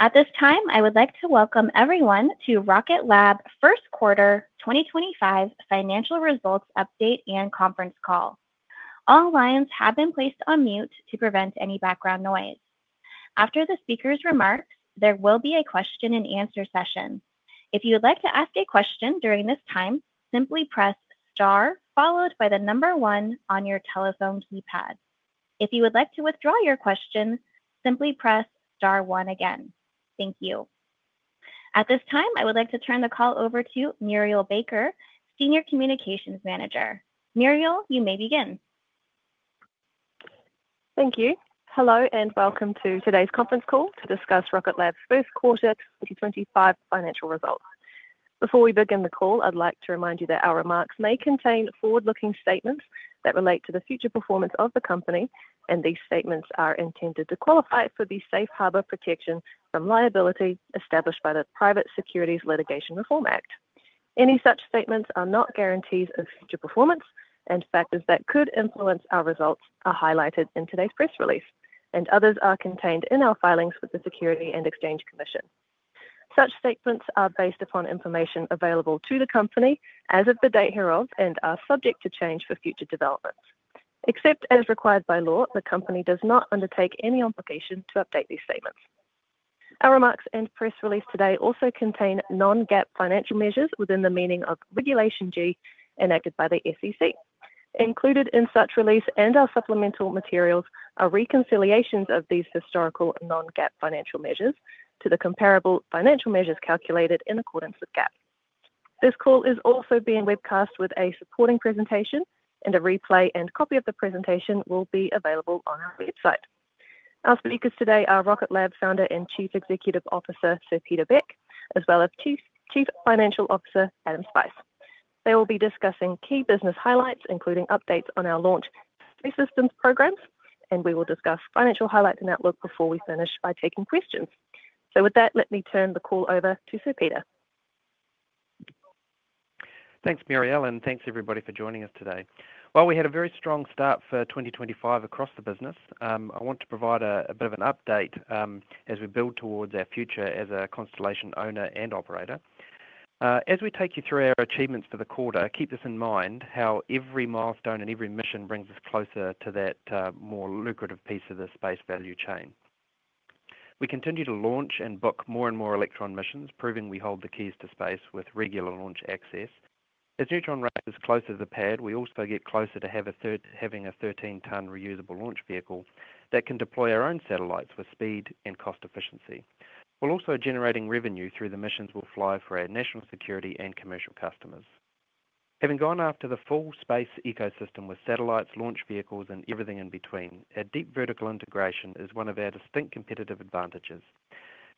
At this time, I would like to welcome everyone to Rocket Lab's first quarter 2025 financial results update and conference call. All lines have been placed on mute to prevent any background noise. After the speaker's remarks, there will be a question-and-answer session. If you would like to ask a question during this time, simply press star, followed by the number one on your telephone keypad. If you would like to withdraw your question, simply press star one again. Thank you. At this time, I would like to turn the call over to Murielle Baker, Senior Communications Manager. Murielle, you may begin. Thank you. Hello and welcome to today's conference call to discuss Rocket Lab's first quarter 2025 financial results. Before we begin the call, I'd like to remind you that our remarks may contain forward-looking statements that relate to the future performance of the company, and these statements are intended to qualify it for the safe harbor protection from liability established by the Private Securities Litigation Reform Act. Any such statements are not guarantees of future performance, and factors that could influence our results are highlighted in today's press release, and others are contained in our filings with the Securities and Exchange Commission. Such statements are based upon information available to the company as of the date hereof and are subject to change for future developments. Except as required by law, the company does not undertake any obligation to update these statements. Our remarks and press release today also contain non-GAAP financial measures within the meaning of Regulation G enacted by the SEC. Included in such release and our supplemental materials are reconciliations of these historical non-GAAP financial measures to the comparable financial measures calculated in accordance with GAAP. This call is also being webcast with a supporting presentation, and a replay and copy of the presentation will be available on our website. Our speakers today are Rocket Lab Founder and Chief Executive Officer, Sir Peter Beck, as well as Chief Financial Officer, Adam Spice. They will be discussing key business highlights, including updates on our Launch and Space Systems programs, and we will discuss financial highlights and outlook before we finish by taking questions. So with that, let me turn the call over to Sir Peter. Thanks, Murielle, and thanks everybody for joining us today. We had a very strong start for 2025 across the business. I want to provide a bit of an update as we build towards our future as a constellation owner and operator. As we take you through our achievements for the quarter, keep this in mind: how every milestone and every mission brings us closer to that more lucrative piece of the space value chain. We continue to launch and book more and more Electron missions, proving we hold the keys to space with regular launch access. As Neutron Rise is closer to the pad, we also get closer to having a 13-ton reusable launch vehicle that can deploy our own satellites with speed and cost efficiency. We're also generating revenue through the missions we'll fly for our national security and commercial customers. Having gone after the full space ecosystem with satellites, launch vehicles, and everything in between, our deep vertical integration is one of our distinct competitive advantages.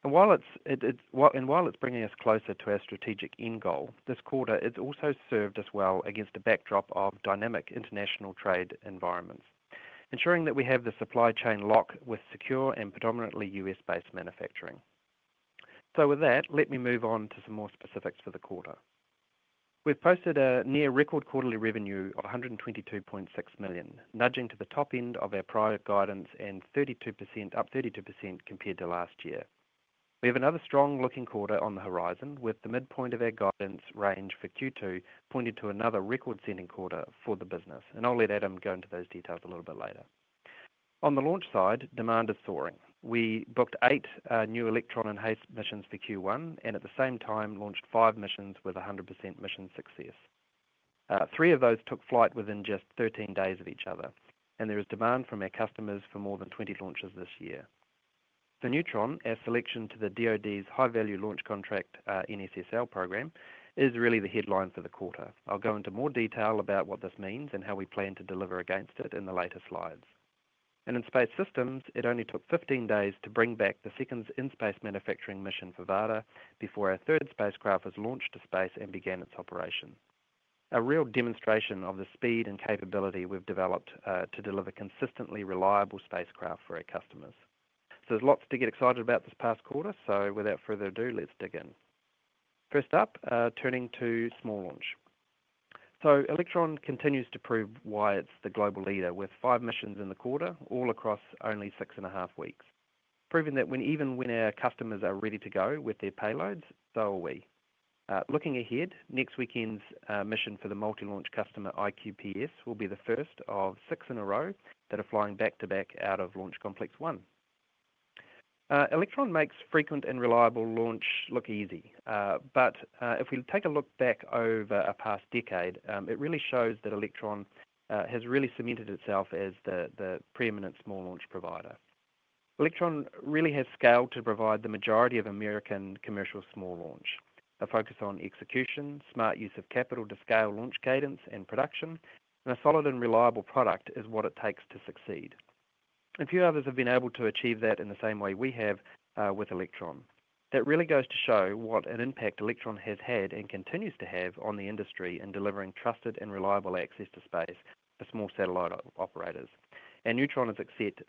And while it's bringing us closer to our strategic end goal this quarter, it's also served us well against the backdrop of dynamic international trade environments, ensuring that we have the supply chain lock with secure and predominantly U.S.-based manufacturing. So with that, let me move on to some more specifics for the quarter. We've posted a near-record quarterly revenue of $122.6 million, nudging to the top end of our prior guidance and up 32% compared to last year. We have another strong-looking quarter on the horizon, with the midpoint of our guidance range for Q2 pointing to another record-setting quarter for the business, and I'll let Adam go into those details a little bit later. On the launch side, demand is soaring. We booked eight new Electron enhanced missions for Q1 and at the same time launched five missions with 100% mission success. Three of those took flight within just 13 days of each other, and there is demand from our customers for more than 20 launches this year. For Neutron, our selection to the DOD's high-value launch contract, National Security Space Launch, program is really the headline for the quarter. I'll go into more detail about what this means and how we plan to deliver against it in the later slides, and in Space Systems, it only took 15 days to bring back the second in-space manufacturing mission for Varda before our third spacecraft was launched to space and began its operation. A real demonstration of the speed and capability we've developed to deliver consistently reliable spacecraft for our customers. So there's lots to get excited about this past quarter, so without further ado, let's dig in. First up, turning to small launch. So Electron continues to prove why it's the global leader with five missions in the quarter all across only six and a half weeks, proving that even when our customers are ready to go with their payloads, so are we. Looking ahead, next weekend's mission for the multi-launch customer iQPS will be the first of six in a row that are flying back to back out of Launch Complex 1. Electron makes frequent and reliable launch look easy, but if we take a look back over a past decade, it really shows that Electron has really cemented itself as the preeminent small launch provider. Electron really has scaled to provide the majority of American commercial small launch, a focus on execution, smart use of capital to scale launch cadence and production, and a solid and reliable product is what it takes to succeed. A few others have been able to achieve that in the same way we have with Electron. That really goes to show what an impact Electron has had and continues to have on the industry in delivering trusted and reliable access to space for small satellite operators, and Neutron is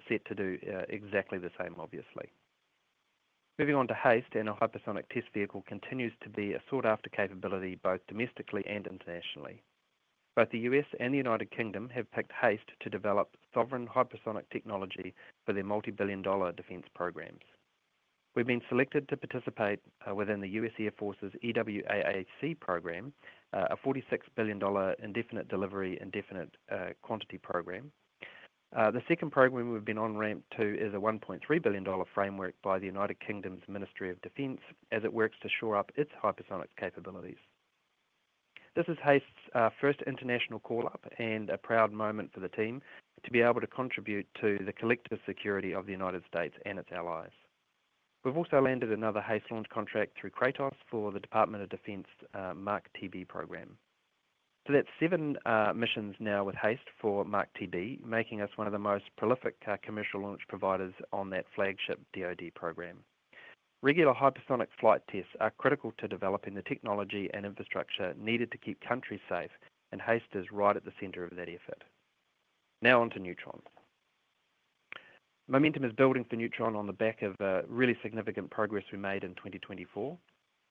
set to do exactly the same, obviously. Moving on to HASTE, and a hypersonic test vehicle continues to be a sought-after capability both domestically and internationally. Both the U.S. and the United Kingdom have picked HASTE to develop sovereign hypersonic technology for their multi-billion dollar defense programs. We've been selected to participate within the U.S. Air Force's EWAAC program, a $46 billion indefinite delivery and definite quantity program. The second program we've been on ramped to is a $1.3 billion framework by the United Kingdom's Ministry of Defense as it works to shore up its hypersonic capabilities. This is HASTE's first international call-up and a proud moment for the team to be able to contribute to the collective security of the United States and its allies. We've also landed another HASTE launch contract through Kratos for the Department of Defense's MACH-TB program, so that's seven missions now with HASTE for MACH-TB, making us one of the most prolific commercial launch providers on that flagship DOD program. Regular hypersonic flight tests are critical to developing the technology and infrastructure needed to keep countries safe, and HASTE is right at the center of that effort. Now on to Neutron. Momentum is building for Neutron on the back of really significant progress we made in 2024.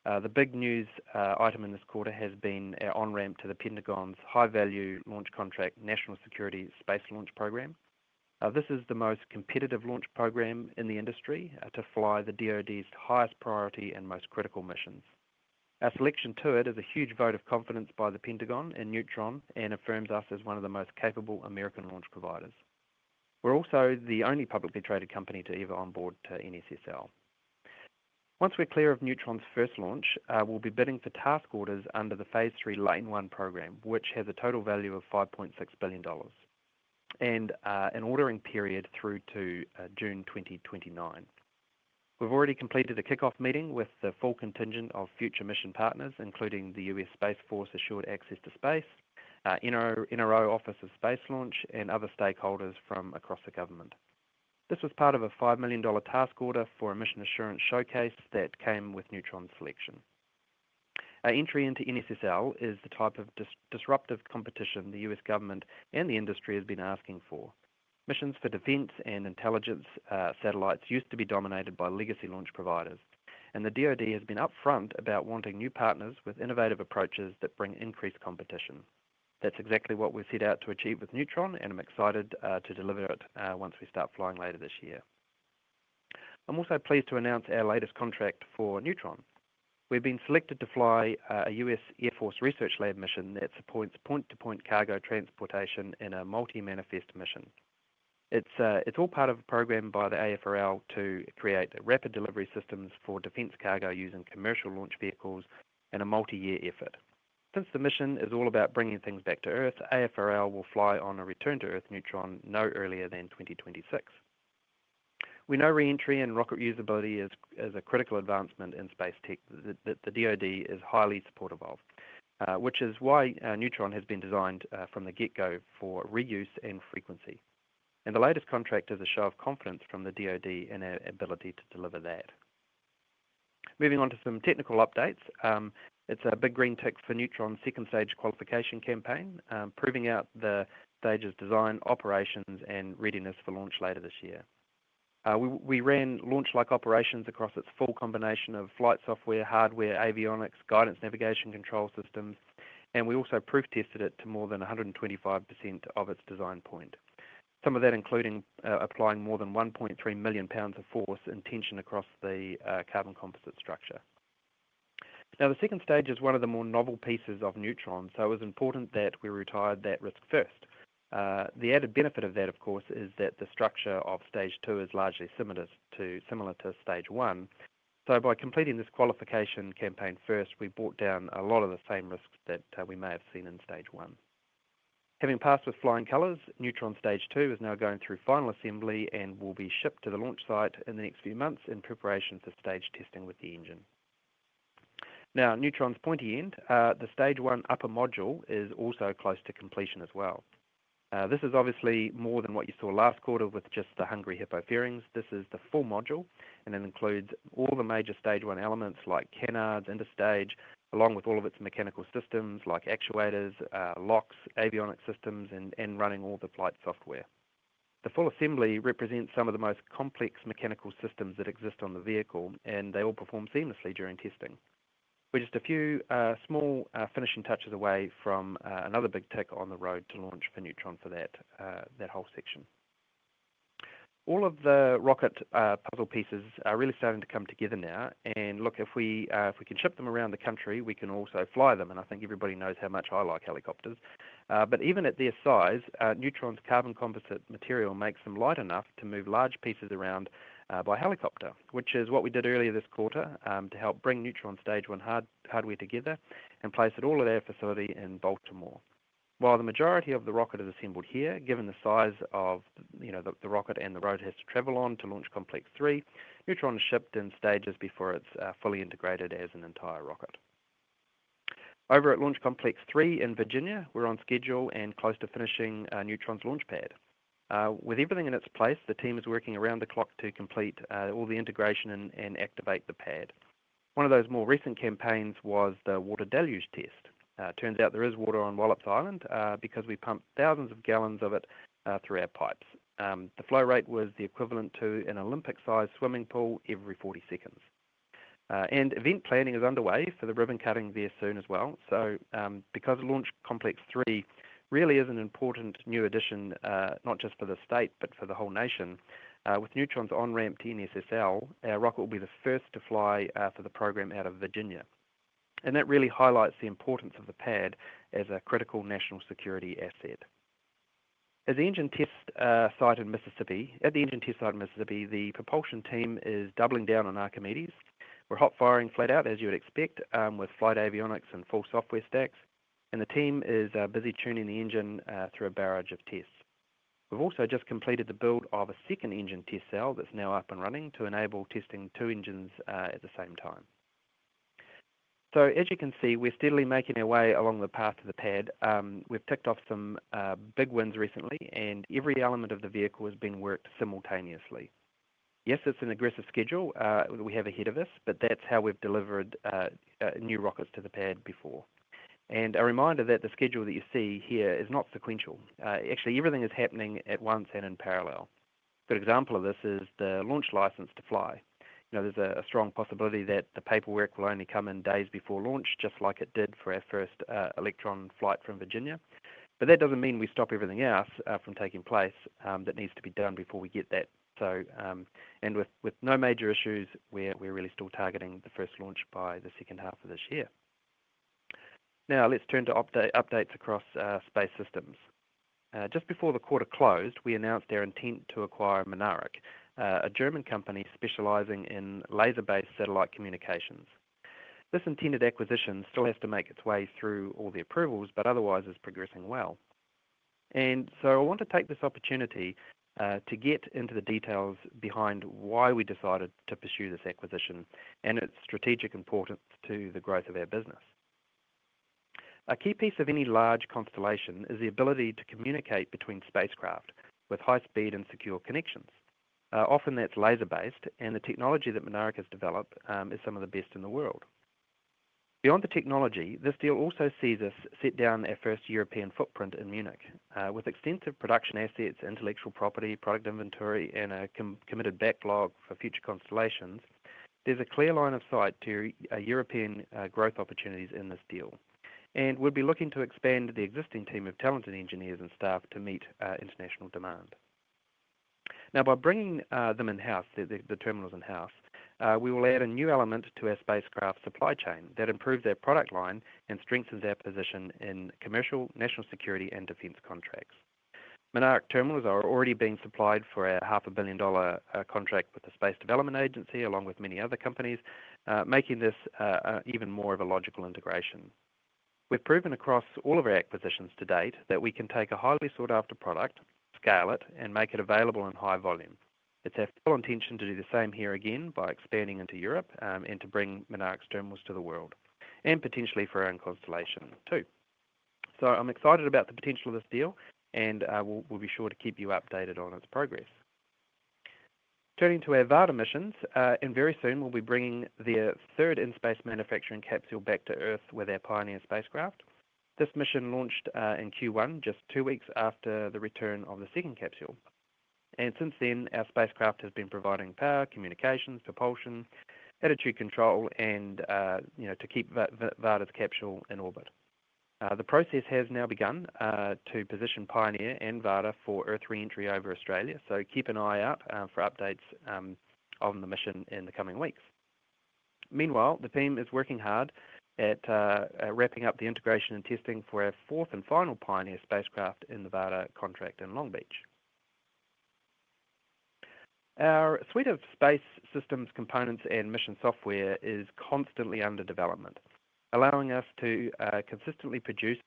The big news item in this quarter has been our on-ramp to the Pentagon's high-value launch contract, National Security Space Launch Program. This is the most competitive launch program in the industry to fly the DOD's highest priority and most critical missions. Our selection to it is a huge vote of confidence by the Pentagon and Neutron and affirms us as one of the most capable American launch providers. We're also the only publicly traded company to ever onboard to NSSL. Once we're clear of Neutron's first launch, we'll be bidding for task orders under the Phase 3 Lane 1 program, which has a total value of $5.6 billion and an ordering period through to June 2029. We've already completed a kickoff meeting with the full contingent of future mission partners, including the U.S. Space Force Assured Access to Space, NRO Office of Space Launch, and other stakeholders from across the government. This was part of a $5 million task order for a mission assurance showcase that came with Neutron's selection. Our entry into NSSL is the type of disruptive competition the U.S. government and the industry has been asking for. Missions for defense and intelligence satellites used to be dominated by legacy launch providers, and the DOD has been upfront about wanting new partners with innovative approaches that bring increased competition. That's exactly what we've set out to achieve with Neutron, and I'm excited to deliver it once we start flying later this year. I'm also pleased to announce our latest contract for Neutron. We've been selected to fly a U.S. Air Force Research Lab mission that supports point-to-point cargo transportation in a multi-manifest mission. It's all part of a program by the AFRL to create rapid delivery systems for defense cargo using commercial launch vehicles in a multi-year effort. Since the mission is all about bringing things back to Earth, AFRL will fly on a return-to-Earth Neutron no earlier than 2026. We know reentry and rocket reusability is a critical advancement in space tech that the DOD is highly supportive of, which is why Neutron has been designed from the get-go for reuse and frequency, and the latest contract is a show of confidence from the DOD in our ability to deliver that. Moving on to some technical updates, it's a big green tick for Neutron's second stage qualification campaign, proving out the stage's design, operations, and readiness for launch later this year. We ran launch-like operations across its full combination of flight software, hardware, avionics, guidance, navigation, control systems, and we also proof-tested it to more than 125% of its design point, some of that including applying more than 1.3 million lbs of force and tension across the carbon composite structure. Now, the second stage is one of the more novel pieces of Neutron, so it was important that we retired that risk first. The added benefit of that, of course, is that the structure of stage two is largely similar to stage one. So by completing this qualification campaign first, we brought down a lot of the same risks that we may have seen in stage one. Having passed with flying colors, Neutron stage two is now going through final assembly and will be shipped to the launch site in the next few months in preparation for stage testing with the engine. Now, Neutron's pointy end, the stage one upper module is also close to completion as well. This is obviously more than what you saw last quarter with just the Hungry Hippo fairings. This is the full module, and it includes all the major stage one elements like canards and a stage, along with all of its mechanical systems like actuators, locks, avionics systems, and running all the flight software. The full assembly represents some of the most complex mechanical systems that exist on the vehicle, and they all perform seamlessly during testing. We're just a few small finishing touches away from another big tick on the road to launch for Neutron for that whole section. All of the rocket puzzle pieces are really starting to come together now, and look, if we can ship them around the country, we can also fly them. And I think everybody knows how much I like helicopters, but even at their size, Neutron's carbon composite material makes them light enough to move large pieces around by helicopter, which is what we did earlier this quarter to help bring Neutron stage one hardware together and place it all at our facility in Baltimore. While the majority of the rocket is assembled here, given the size of the rocket and the road it has to travel on to Launch Complex 3, Neutron is shipped in stages before it's fully integrated as an entire rocket. Over at Launch Complex 3 in Virginia, we're on schedule and close to finishing Neutron's launch pad. With everything in its place, the team is working around the clock to complete all the integration and activate the pad. One of those more recent campaigns was the water deluge test. Turns out there is water on Wallops Island because we pumped thousands of gallons of it through our pipes. The flow rate was the equivalent to an Olympic-sized swimming pool every 40 seconds, and event planning is underway for the ribbon cutting there soon as well, so because Launch Complex 3 really is an important new addition, not just for the state but for the whole nation, with Neutron's on-ramp to NSSL, our rocket will be the first to fly for the program out of Virginia, and that really highlights the importance of the pad as a critical national security asset. At the engine test site in Mississippi, the propulsion team is doubling down on Archimedes. We're hot firing flat out, as you would expect, with flight avionics and full software stacks, and the team is busy tuning the engine through a barrage of tests. We've also just completed the build of a second engine test cell that's now up and running to enable testing two engines at the same time. So as you can see, we're steadily making our way along the path of the pad. We've ticked off some big wins recently, and every element of the vehicle has been worked simultaneously. Yes, it's an aggressive schedule that we have ahead of us, but that's how we've delivered new rockets to the pad before, and a reminder that the schedule that you see here is not sequential. Actually, everything is happening at once and in parallel. A good example of this is the launch license to fly. There's a strong possibility that the paperwork will only come in days before launch, just like it did for our first Electron flight from Virginia, but that doesn't mean we stop everything else from taking place that needs to be done before we get that, and with no major issues, we're really still targeting the first launch by the second half of this year. Now, let's turn to updates across Space Systems. Just before the quarter closed, we announced our intent to acquire Mynaric, a German company specializing in laser-based satellite communications. This intended acquisition still has to make its way through all the approvals, but otherwise is progressing well. And so I want to take this opportunity to get into the details behind why we decided to pursue this acquisition and its strategic importance to the growth of our business. A key piece of any large constellation is the ability to communicate between spacecraft with high-speed and secure connections. Often that's laser-based, and the technology that Mynaric has developed is some of the best in the world. Beyond the technology, this deal also sees us set down our first European footprint in Munich. With extensive production assets, intellectual property, product inventory, and a committed backlog for future constellations, there's a clear line of sight to European growth opportunities in this deal. And we'll be looking to expand the existing team of talented engineers and staff to meet international demand. Now, by bringing them in-house, the terminals in-house, we will add a new element to our spacecraft supply chain that improves our product line and strengthens our position in commercial, national security, and defense contracts. Mynaric terminals are already being supplied for our $500 million contract with the Space Development Agency, along with many other companies, making this even more of a logical integration. We've proven across all of our acquisitions to date that we can take a highly sought-after product, scale it, and make it available in high volume. It's our full intention to do the same here again by expanding into Europe and to bring Mynaric's terminals to the world and potentially for our own constellation too. So I'm excited about the potential of this deal, and we'll be sure to keep you updated on its progress. Turning to our Varda missions, and very soon we'll be bringing the third in-space manufacturing capsule back to Earth with our Pioneer spacecraft. This mission launched in Q1, just two weeks after the return of the second capsule. Since then, our spacecraft has been providing power, communications, propulsion, attitude control, and to keep Varda's capsule in orbit. The process has now begun to position Pioneer and Varda for Earth reentry over Australia, so keep an eye out for updates on the mission in the coming weeks. Meanwhile, the team is working hard at wrapping up the integration and testing for our fourth and final Pioneer spacecraft in the Varda contract in Long Beach. Our suite of space systems, components, and mission software is constantly under development, allowing us to consistently produce.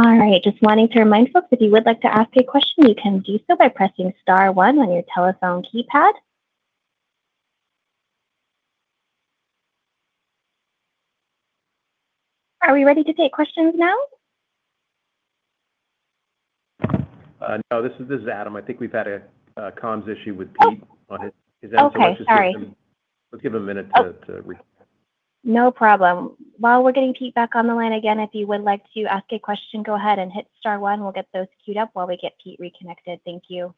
All right. Just wanting to remind folks, if you would like to ask a question, you can do so by pressing star one on your telephone keypad. Are we ready to take questions now? No, this is Adam. I think we've had a comms issue with Peter. Is that okay? Oh, I'm sorry. Let's give him a minute to. No problem. While we're getting Peter back on the line again, if you would like to ask a question, go ahead and hit star one. We'll get those queued up while we get Peter reconnected. Thank you.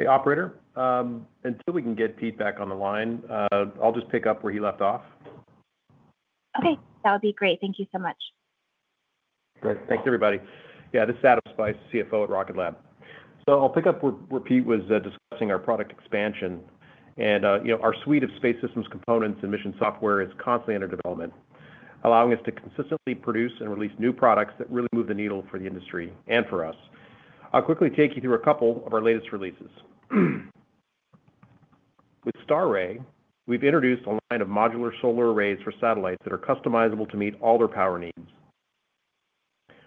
Hey, operator. Until we can get Peter back on the line, I'll just pick up where he left off. Okay. That would be great. Thank you so much. Great. Thanks, everybody. Yeah, this is Adam Spice, CFO at Rocket Lab. So I'll pick up where Peter was discussing our product expansion, and our suite of space systems, components, and mission software is constantly under development, allowing us to consistently produce and release new products that really move the needle for the industry and for us. I'll quickly take you through a couple of our latest releases. With standard array, we've introduced a line of modular solar arrays for satellites that are customizable to meet all their power needs.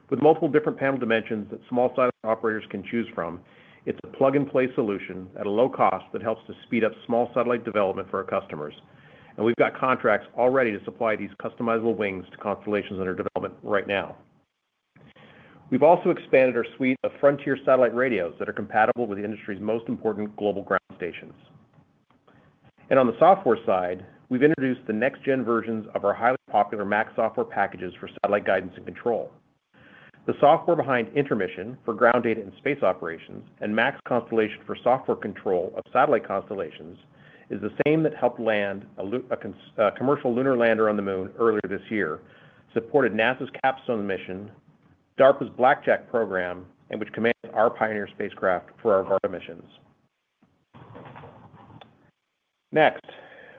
With multiple different panel dimensions that small satellite operators can choose from, it's a plug-and-play solution at a low cost that helps to speed up small satellite development for our customers, and we've got contracts already to supply these customizable wings to constellations under development right now. We've also expanded our suite of Frontier satellite radios that are compatible with the industry's most important global ground stations. And on the software side, we've introduced the next-gen versions of our highly popular MAX software packages for satellite guidance and control. The software behind Intermission for ground data and space operations and MAX Constellation for software control of satellite constellations is the same that helped land a commercial lunar lander on the Moon earlier this year, supported NASA's Capstone mission, DARPA's Blackjack program, and which commands our Pioneer spacecraft for our Varda missions. Next,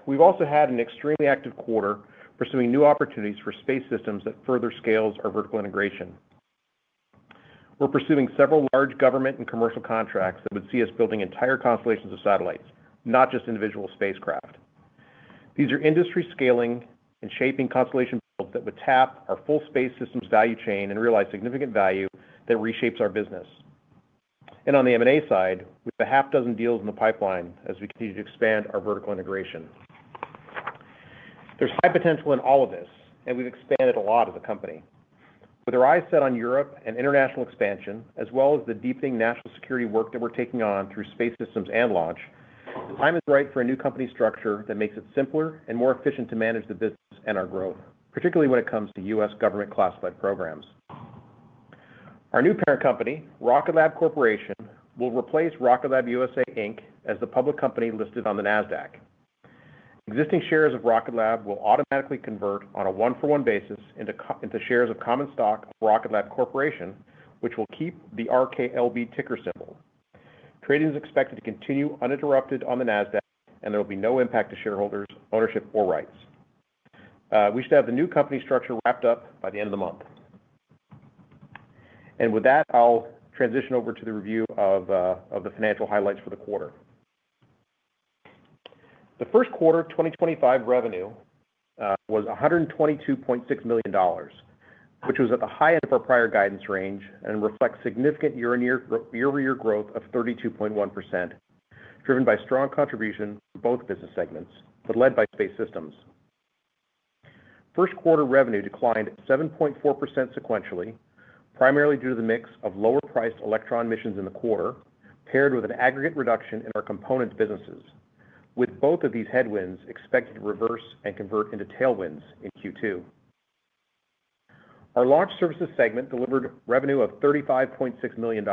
we've also had an extremely active quarter pursuing new opportunities for Space Systems that further scales our vertical integration. We're pursuing several large government and commercial contracts that would see us building entire constellations of satellites, not just individual spacecraft. These are industry-scaling and shaping constellation builds that would tap our full space systems value chain and realize significant value that reshapes our business. On the M&A side, we have a half-dozen deals in the pipeline as we continue to expand our vertical integration. There's high potential in all of this, and we've expanded a lot as a company. With our eyes set on Europe and international expansion, as well as the deepening national security work that we're taking on through space systems and launch, the time is right for a new company structure that makes it simpler and more efficient to manage the business and our growth, particularly when it comes to U.S. government classified programs. Our new parent company, Rocket Lab Corporation, will replace Rocket Lab USA, Inc., as the public company listed on the Nasdaq. Existing shares of Rocket Lab will automatically convert on a one-for-one basis into shares of common stock of Rocket Lab Corporation, which will keep the RKLB ticker symbol. Trading is expected to continue uninterrupted on the Nasdaq, and there will be no impact to shareholders, ownership, or rights. We should have the new company structure wrapped up by the end of the month. And with that, I'll transition over to the review of the financial highlights for the quarter. The first quarter 2025 revenue was $122.6 million, which was at the high end of our prior guidance range and reflects significant year-on-year growth of 32.1%, driven by strong contribution from both business segments, but led by space systems. First quarter revenue declined 7.4% sequentially, primarily due to the mix of lower-priced Electron missions in the quarter, paired with an aggregate reduction in our component businesses, with both of these headwinds expected to reverse and convert into tailwinds in Q2. Our launch services segment delivered revenue of $35.6 million,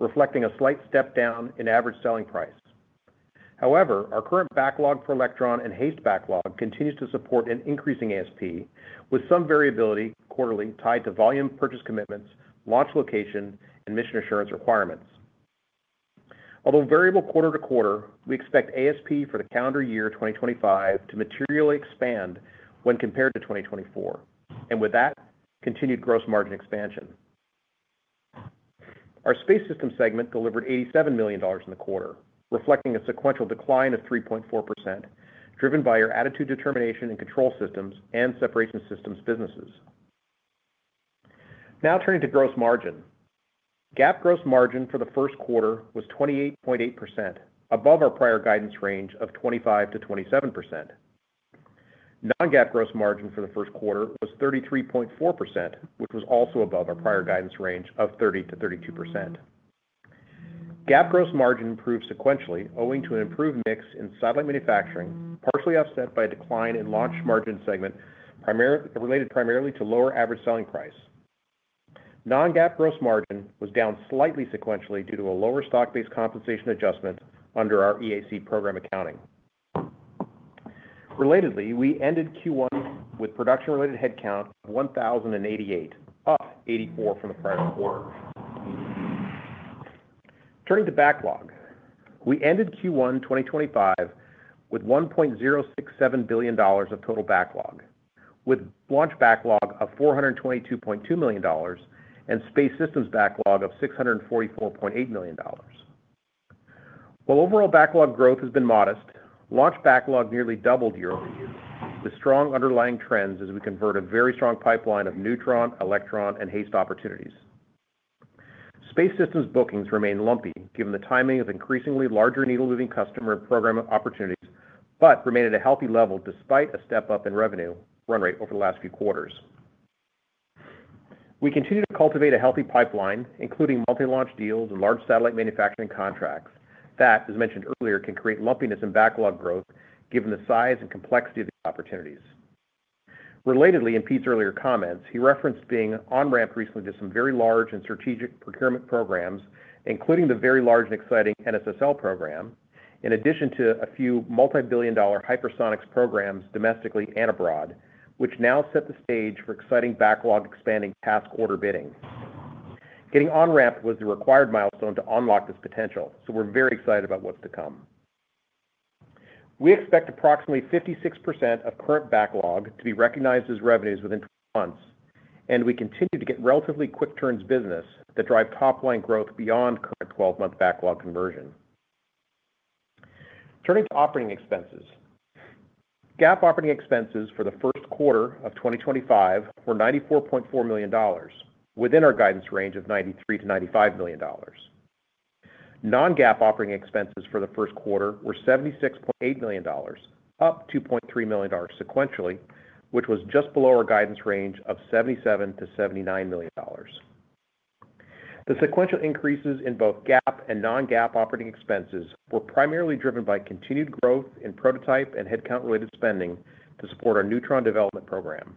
reflecting a slight step down in average selling price. However, our current backlog for Electron and HASTE backlog continues to support an increasing ASP, with some variability quarterly tied to volume purchase commitments, launch location, and mission assurance requirements. Although variable quarter to quarter, we expect ASP for the calendar year 2025 to materially expand when compared to 2024, and with that, continued gross margin expansion. Our space system segment delivered $87 million in the quarter, reflecting a sequential decline of 3.4%, driven by our attitude determination and control systems and separation systems businesses. Now turning to gross margin. GAAP gross margin for the first quarter was 28.8%, above our prior guidance range of 25%-27%. Non-GAAP gross margin for the first quarter was 33.4%, which was also above our prior guidance range of 30%-32%. GAAP gross margin improved sequentially, owing to an improved mix in satellite manufacturing, partially offset by a decline in launch margin segment related primarily to lower average selling price. Non-GAAP gross margin was down slightly sequentially due to a lower stock-based compensation adjustment under our EAC program accounting. Relatedly, we ended Q1 with production-related headcount of 1,088, up 84 from the prior quarter. Turning to backlog, we ended Q1 2025 with $1.067 billion of total backlog, with launch backlog of $422.2 million and space systems backlog of $644.8 million. While overall backlog growth has been modest, launch backlog nearly doubled year-over-year, with strong underlying trends as we convert a very strong pipeline of Neutron, Electron, and HASTE opportunities. Space Systems bookings remain lumpy given the timing of increasingly larger needle-moving customer and program opportunities, but remained at a healthy level despite a step up in revenue run rate over the last few quarters. We continue to cultivate a healthy pipeline, including multi-launch deals and large satellite manufacturing contracts that, as mentioned earlier, can create lumpiness in backlog growth given the size and complexity of these opportunities. Relatedly, in Peter's earlier comments, he referenced being on-ramp recently to some very large and strategic procurement programs, including the very large and exciting NSSL program, in addition to a few multi-billion dollar hypersonics programs domestically and abroad, which now set the stage for exciting backlog expanding task order bidding. Getting on-ramp was the required milestone to unlock this potential, so we're very excited about what's to come. We expect approximately 56% of current backlog to be recognized as revenues within 12 months, and we continue to get relatively quick turns business that drive top-line growth beyond current 12-month backlog conversion. Turning to operating expenses. GAAP operating expenses for the first quarter of 2025 were $94.4 million, within our guidance range of $93 million-$95 million. Non-GAAP operating expenses for the first quarter were $76.8 million, up $2.3 million sequentially, which was just below our guidance range of $77 million-$79 million. The sequential increases in both GAAP and Non-GAAP operating expenses were primarily driven by continued growth in prototype and headcount-related spending to support our Neutron development program.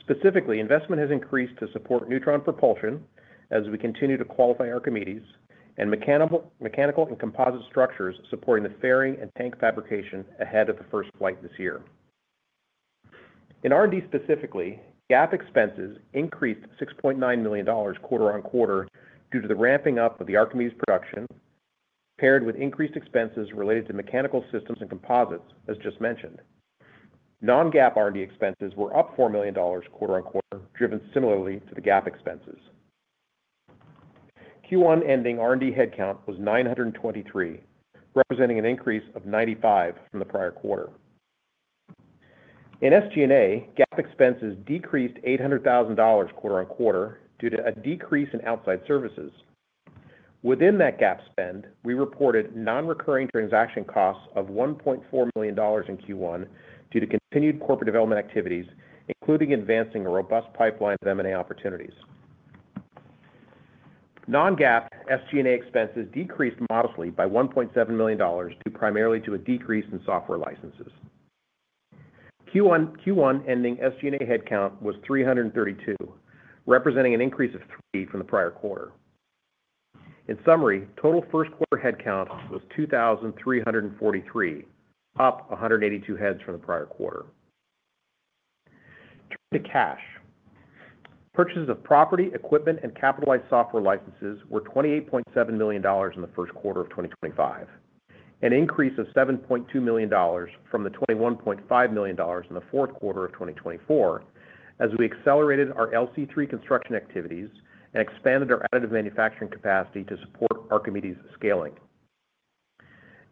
Specifically, investment has increased to support Neutron propulsion as we continue to qualify our components and mechanical and composite structures supporting the fairing and tank fabrication ahead of the first flight this year. In R&D specifically, GAAP expenses increased $6.9 million quarter on quarter due to the ramping up of the Archimedes' production, paired with increased expenses related to mechanical systems and composites, as just mentioned. Non-GAAP R&D expenses were up $4 million quarter-on-quarter, driven similarly to the GAAP expenses. Q1 ending R&D headcount was 923, representing an increase of 95 from the prior quarter. In SG&A, GAAP expenses decreased $800,000 quarter-on-quarter due to a decrease in outside services. Within that GAAP spend, we reported non-recurring transaction costs of $1.4 million in Q1 due to continued corporate development activities, including advancing a robust pipeline of M&A opportunities. Non-GAAP SG&A expenses decreased modestly by $1.7 million due primarily to a decrease in software licenses. Q1 ending SG&A headcount was 332, representing an increase of three from the prior quarter. In summary, total first quarter headcount was 2,343, up 182 heads from the prior quarter. Turning to cash. Purchases of property, equipment, and capitalized software licenses were $28.7 million in the first quarter of 2025, an increase of $7.2 million from the $21.5 million in the fourth quarter of 2024, as we accelerated our LC3 construction activities and expanded our additive manufacturing capacity to support our Neutron's scaling.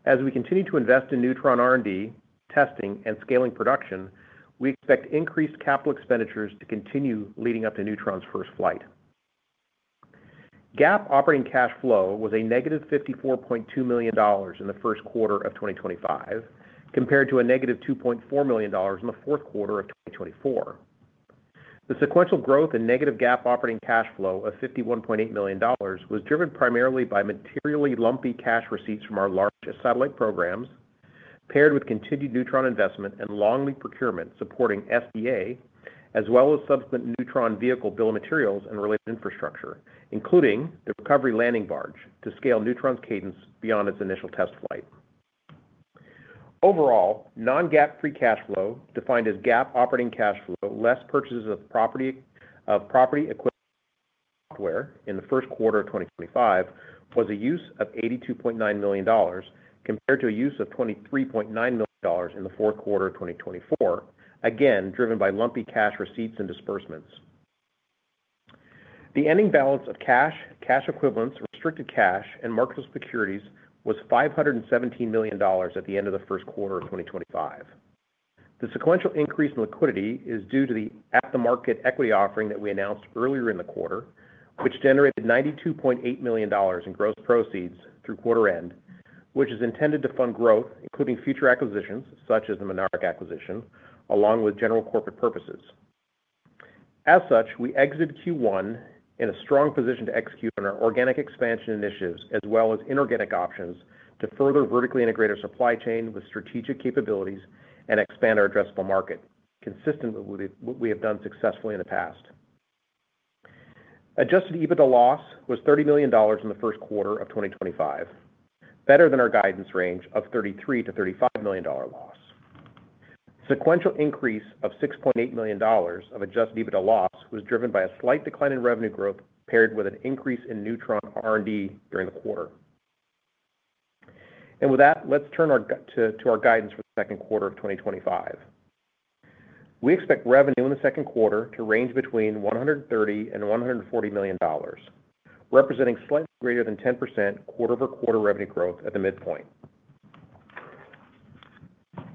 As we continue to invest in Neutron R&D, testing, and scaling production, we expect increased capital expenditures to continue leading up to Neutron's first flight. GAAP operating cash flow was a negative $54.2 million in the first quarter of 2025, compared to a negative $2.4 million in the fourth quarter of 2024. The sequential growth in negative GAAP operating cash flow of $51.8 million was driven primarily by materially lumpy cash receipts from our largest satellite programs, paired with continued Neutron investment and long-lead procurement supporting SDA, as well as subsequent Neutron vehicle bill of materials and related infrastructure, including the recovery landing barge to scale Neutron's cadence beyond its initial test flight. Overall, non-GAAP free cash flow, defined as GAAP operating cash flow less purchases of property, equipment and software in the first quarter of 2025, was a use of $82.9 million compared to a use of $23.9 million in the fourth quarter of 2024, again driven by lumpy cash receipts and disbursements. The ending balance of cash, cash equivalents, restricted cash, and marketable securities was $517 million at the end of the first quarter of 2025. The sequential increase in liquidity is due to the at-the-market equity offering that we announced earlier in the quarter, which generated $92.8 million in gross proceeds through quarter end, which is intended to fund growth, including future acquisitions such as the Mynaric acquisition, along with general corporate purposes. As such, we exited Q1 in a strong position to execute on our organic expansion initiatives, as well as inorganic options, to further vertically integrate our supply chain with strategic capabilities and expand our addressable market, consistent with what we have done successfully in the past. Adjusted EBITDA loss was $30 million in the first quarter of 2025, better than our guidance range of $33 million-$35 million loss. Sequential increase of $6.8 million of adjusted EBITDA loss was driven by a slight decline in revenue growth, paired with an increase in Neutron R&D during the quarter. With that, let's turn to our guidance for the second quarter of 2025. We expect revenue in the second quarter to range between $130 million-$140 million, representing slightly greater than 10% quarter-over-quarter revenue growth at the midpoint.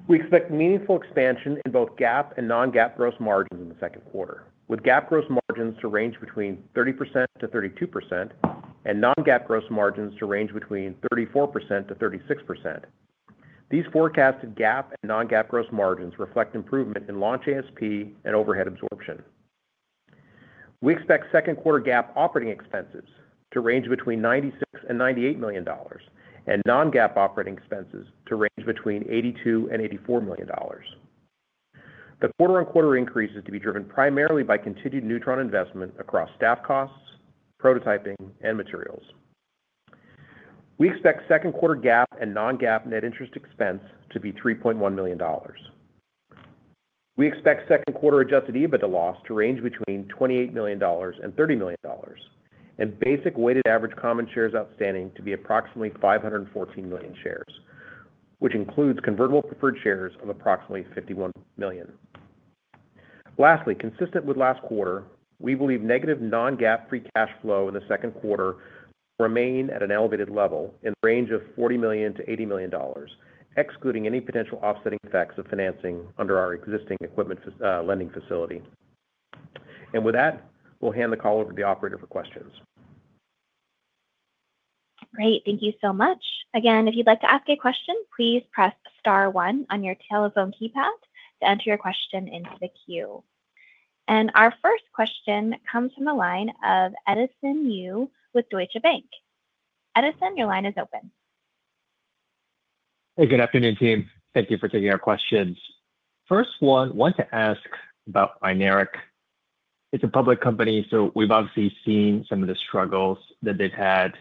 We expect meaningful expansion in both GAAP and non-GAAP gross margins in the second quarter, with GAAP gross margins to range between 30%-32% and non-GAAP gross margins to range between 34%-36%. These forecasted GAAP and non-GAAP gross margins reflect improvement in launch ASP and overhead absorption. We expect second quarter GAAP operating expenses to range between $96 million-$98 million, and non-GAAP operating expenses to range between $82 million-$84 million. The quarter-on-quarter increase is to be driven primarily by continued Neutron investment across staff costs, prototyping, and materials. We expect second quarter GAAP and non-GAAP net interest expense to be $3.1 million. We expect second quarter adjusted EBITDA loss to range between $28 million and $30 million, and basic weighted average common shares outstanding to be approximately 514 million shares, which includes convertible preferred shares of approximately 51 million. Lastly, consistent with last quarter, we believe negative non-GAAP free cash flow in the second quarter will remain at an elevated level in the range of $40 million-$80 million, excluding any potential offsetting effects of financing under our existing equipment lending facility. And with that, we'll hand the call over to the operator for questions. Great. Thank you so much. Again, if you'd like to ask a question, please press star one on your telephone keypad to enter your question into the queue. And our first question comes from the line of Edison Yu with Deutsche Bank. Edison, your line is open. Hey, good afternoon, team. Thank you for taking our questions. First one, I want to ask about Mynaric. It's a public company, so we've obviously seen some of the struggles that they've had.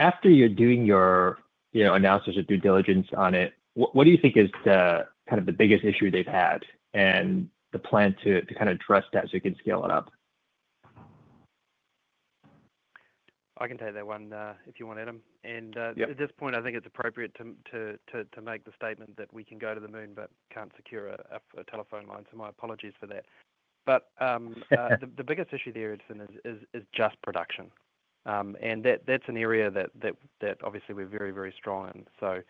After you're doing your analysis or due diligence on it, what do you think is kind of the biggest issue they've had and the plan to kind of address that so you can scale it up? I can take that one if you want, Adam. And at this point, I think it's appropriate to make the statement that we can go to the moon but can't secure a telephone line, so my apologies for that. But the biggest issue there, Edison, is just production. And that's an area that obviously we're very, very strong in. So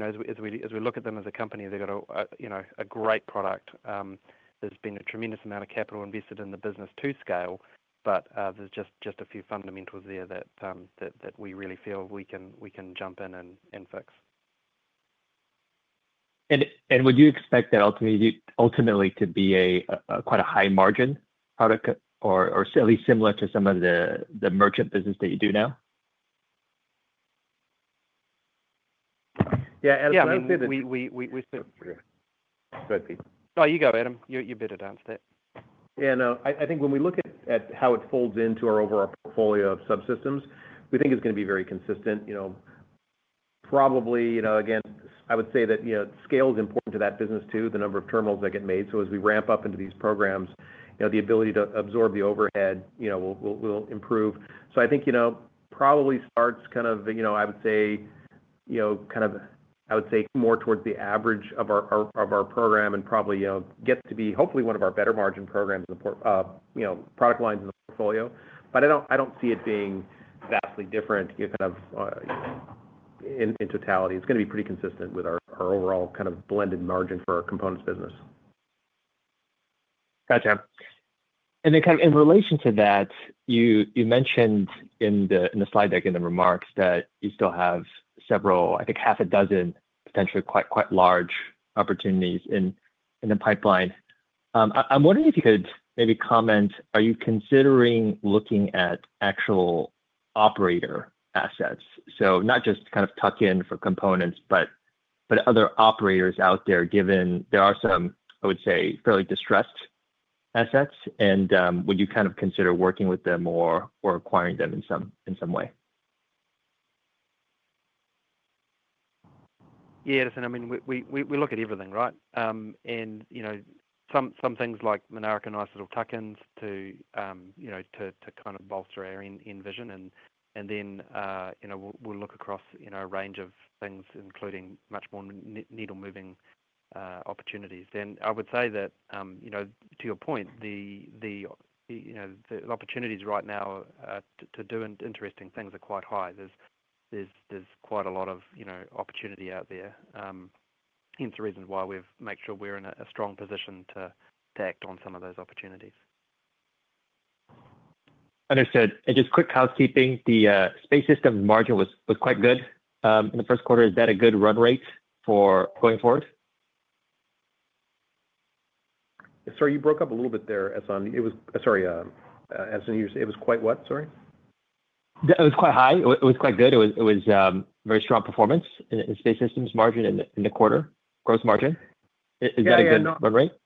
as we look at them as a company, they've got a great product. There's been a tremendous amount of capital invested in the business to scale, but there's just a few fundamentals there that we really feel we can jump in and fix. Would you expect that ultimately to be quite a high-margin product or at least similar to some of the merchant business that you do now? Yeah, Edison, we've— No, you go, Adam. You better answer that. Yeah, no, I think when we look at how it folds into our overall portfolio of subsystems, we think it's going to be very consistent. Probably, again, I would say that scale is important to that business too, the number of terminals that get made. So as we ramp up into these programs, the ability to absorb the overhead will improve. So I think probably starts kind of, I would say, more towards the average of our program and probably gets to be hopefully one of our better-margin product lines in the portfolio. But I don't see it being vastly different kind of in totality. It's going to be pretty consistent with our overall kind of blended margin for our components business. Gotcha. And then kind of in relation to that, you mentioned in the slide deck and the remarks that you still have several, I think, half a dozen potentially quite large opportunities in the pipeline. I'm wondering if you could maybe comment, are you considering looking at actual operator assets? So not just kind of tuck in for components, but other operators out there, given there are some, I would say, fairly distressed assets. And would you kind of consider working with them or acquiring them in some way? Yeah, Edison, I mean, we look at everything, right? And some things like Mynaric and SolAero tuck-ins to kind of bolster our vision. And then we'll look across a range of things, including much more needle-moving opportunities. And I would say that, to your point, the opportunities right now to do interesting things are quite high. There's quite a lot of opportunity out there. Hence the reason why we've made sure we're in a strong position to act on some of those opportunities. Understood, and just quick housekeeping, the Space System margin was quite good in the first quarter. Is that a good run rate for going forward? Sorry, you broke up a little bit there, Edison. Sorry, Edison, you were saying it was quite what, sorry? It was quite high. It was quite good. It was very strong performance in Space Systems margin in the quarter, gross margin. Is that a good run rate? Yeah, no.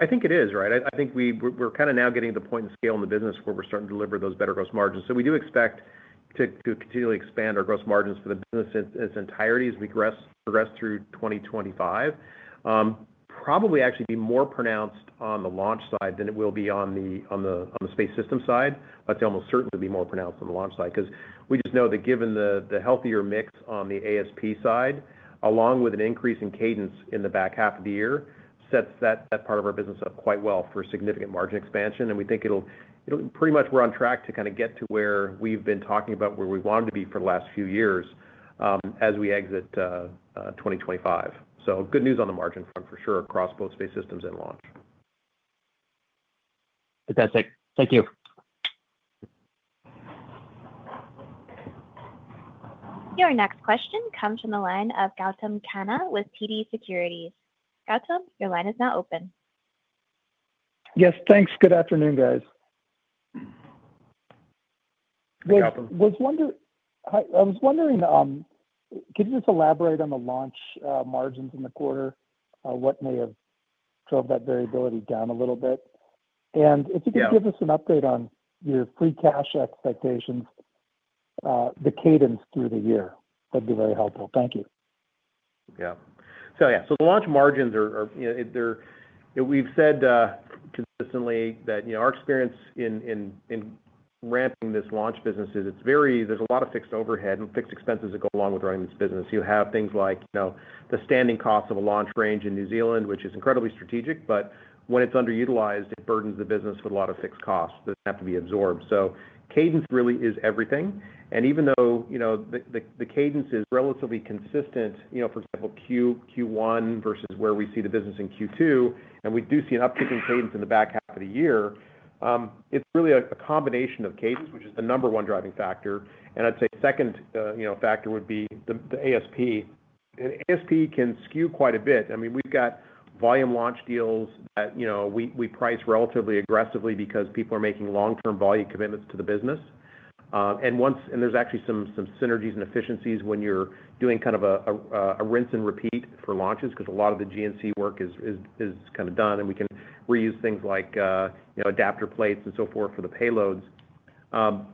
I think it is, right? I think we're kind of now getting to the point in scale in the business where we're starting to deliver those better gross margins. So we do expect to continually expand our gross margins for the business in its entirety as we progress through 2025. Probably actually be more pronounced on the launch side than it will be on the Space System side. I'd say almost certainly be more pronounced on the launch side because we just know that given the healthier mix on the ASP side, along with an increase in cadence in the back half of the year, sets that part of our business up quite well for significant margin expansion. And we think it'll pretty much. We're on track to kind of get to where we've been talking about where we wanted to be for the last few years as we exit 2025. So good news on the margin front for sure across both Space Systems and launch. Fantastic. Thank you. Your next question comes from the line of Gautam Khanna with TD Securities. Gautam, your line is now open. Yes, thanks. Good afternoon, guys. Hey, Gautam. I was wondering, could you just elaborate on the launch margins in the quarter, what may have drove that variability down a little bit? And if you could give us an update on your free cash expectations, the cadence through the year, that'd be very helpful. Thank you. Yeah. So yeah, so the launch margins, we've said consistently that our experience in ramping this launch business is, it's very. There's a lot of fixed overhead and fixed expenses that go along with running this business. You have things like the standing costs of a launch range in New Zealand, which is incredibly strategic, but when it's underutilized, it burdens the business with a lot of fixed costs that have to be absorbed. So cadence really is everything. And even though the cadence is relatively consistent, for example, Q1 versus where we see the business in Q2, and we do see an uptick in cadence in the back half of the year, it's really a combination of cadence, which is the number one driving factor. And I'd say second factor would be the ASP. And ASP can skew quite a bit. I mean, we've got volume launch deals that we price relatively aggressively because people are making long-term volume commitments to the business, and there's actually some synergies and efficiencies when you're doing kind of a rinse and repeat for launches because a lot of the GNC work is kind of done, and we can reuse things like adapter plates and so forth for the payloads, so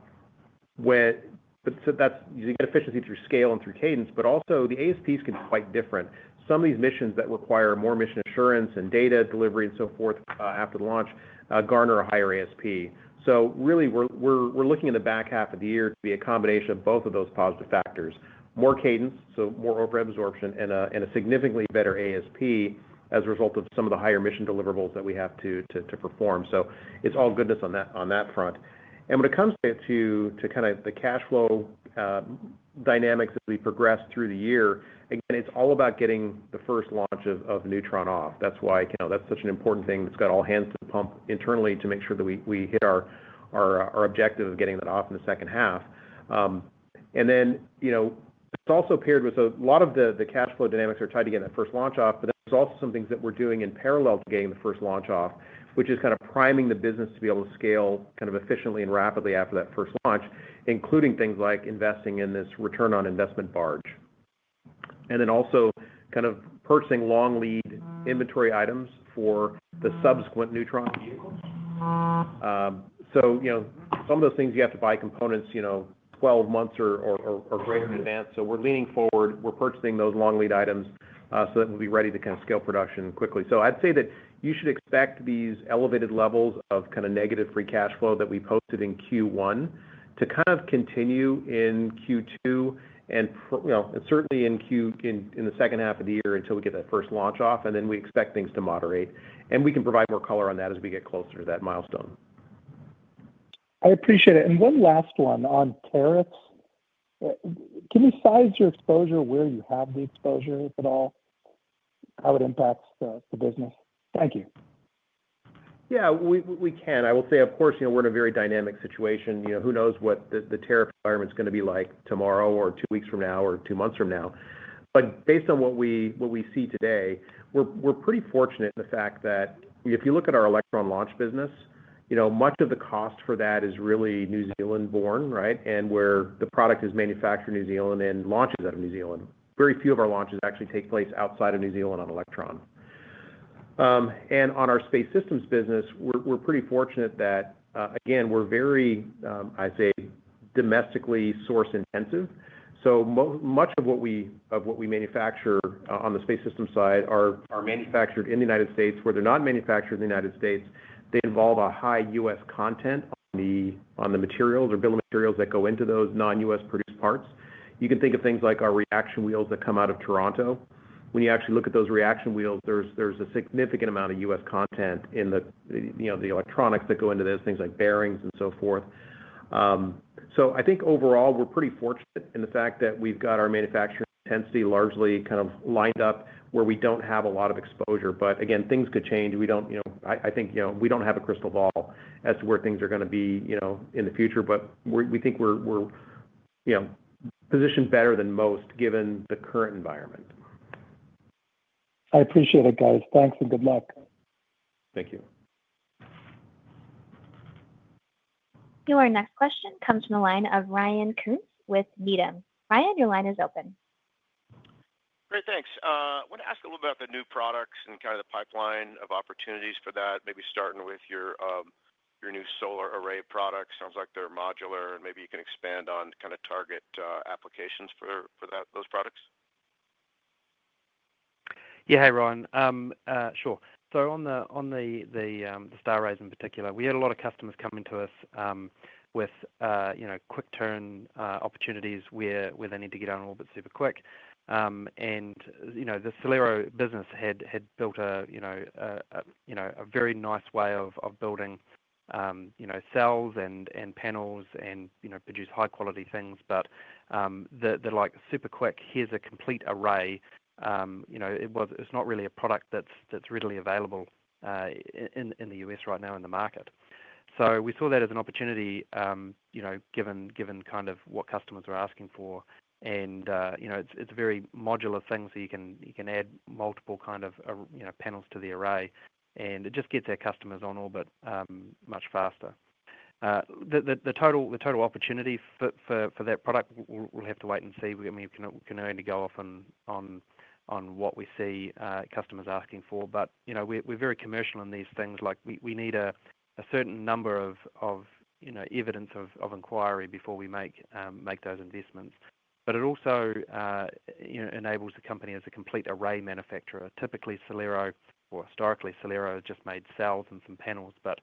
you get efficiency through scale and through cadence, but also the ASPs can be quite different. Some of these missions that require more mission assurance and data delivery and so forth after the launch garner a higher ASP. So really, we're looking in the back half of the year to be a combination of both of those positive factors: more cadence, so more overhead absorption, and a significantly better ASP as a result of some of the higher mission deliverables that we have to perform. So it's all goodness on that front. And when it comes to kind of the cash flow dynamics as we progress through the year, again, it's all about getting the first launch of Neutron off. That's why that's such an important thing. It's got all hands to the pump internally to make sure that we hit our objective of getting that off in the second half. And then it's also paired with a lot of the cash flow dynamics that are tied to getting that first launch off, but there's also some things that we're doing in parallel to getting the first launch off, which is kind of priming the business to be able to scale kind of efficiently and rapidly after that first launch, including things like investing in this return on investment barge. And then also kind of purchasing long lead inventory items for the subsequent Neutron vehicles. So some of those things, you have to buy components 12 months or greater in advance. So we're leaning forward. We're purchasing those long lead items so that we'll be ready to kind of scale production quickly. So I'd say that you should expect these elevated levels of kind of negative free cash flow that we posted in Q1 to kind of continue in Q2 and certainly in the second half of the year until we get that first launch off. And then we expect things to moderate. And we can provide more color on that as we get closer to that milestone. I appreciate it. And one last one on tariffs. Can you size your exposure where you have the exposure, if at all? How it impacts the business? Thank you. Yeah, we can. I will say, of course, we're in a very dynamic situation. Who knows what the tariff environment's going to be like tomorrow or two weeks from now or two months from now? But based on what we see today, we're pretty fortunate in the fact that if you look at our Electron launch business, much of the cost for that is really New Zealand-born, right? And where the product is manufactured in New Zealand and launches out of New Zealand. Very few of our launches actually take place outside of New Zealand on Electron. And on our Space Systems business, we're pretty fortunate that, again, we're very, I'd say, domestically source-intensive. So much of what we manufacture on the Space Systems side are manufactured in the United States. Where they're not manufactured in the United States, they involve a high U.S. Content on the materials or bill of materials that go into those non-U.S. produced parts. You can think of things like our reaction wheels that come out of Toronto. When you actually look at those reaction wheels, there's a significant amount of U.S. content in the electronics that go into those things like bearings and so forth. So I think overall, we're pretty fortunate in the fact that we've got our manufacturing intensity largely kind of lined up where we don't have a lot of exposure. But again, things could change. I think we don't have a crystal ball as to where things are going to be in the future, but we think we're positioned better than most given the current environment. I appreciate it, guys. Thanks and good luck. Thank you. Your next question comes from the line of Ryan Koontz with Needham. Ryan, your line is open. Great, thanks. I want to ask a little bit about the new products and kind of the pipeline of opportunities for that, maybe starting with your new solar array products. Sounds like they're modular, and maybe you can expand on kind of target applications for those products. Yeah, hey, Ryan. Sure. So, on the StarRay in particular, we had a lot of customers coming to us with quick turn opportunities where they need to get on orbit super quick, and the SolAero business had built a very nice way of building cells and panels and produce high-quality things, but they're like super quick, here's a complete array. It's not really a product that's readily available in the U.S. right now in the market, so we saw that as an opportunity given kind of what customers were asking for, and it's a very modular thing, so you can add multiple kind of panels to the array, and it just gets our customers on orbit much faster. The total opportunity for that product, we'll have to wait and see. We can only go off on what we see customers asking for, but we're very commercial in these things. We need a certain number of evidence of inquiry before we make those investments. But it also enables the company as a complete array manufacturer. Typically, SolAero or historically, SolAero just made cells and some panels. But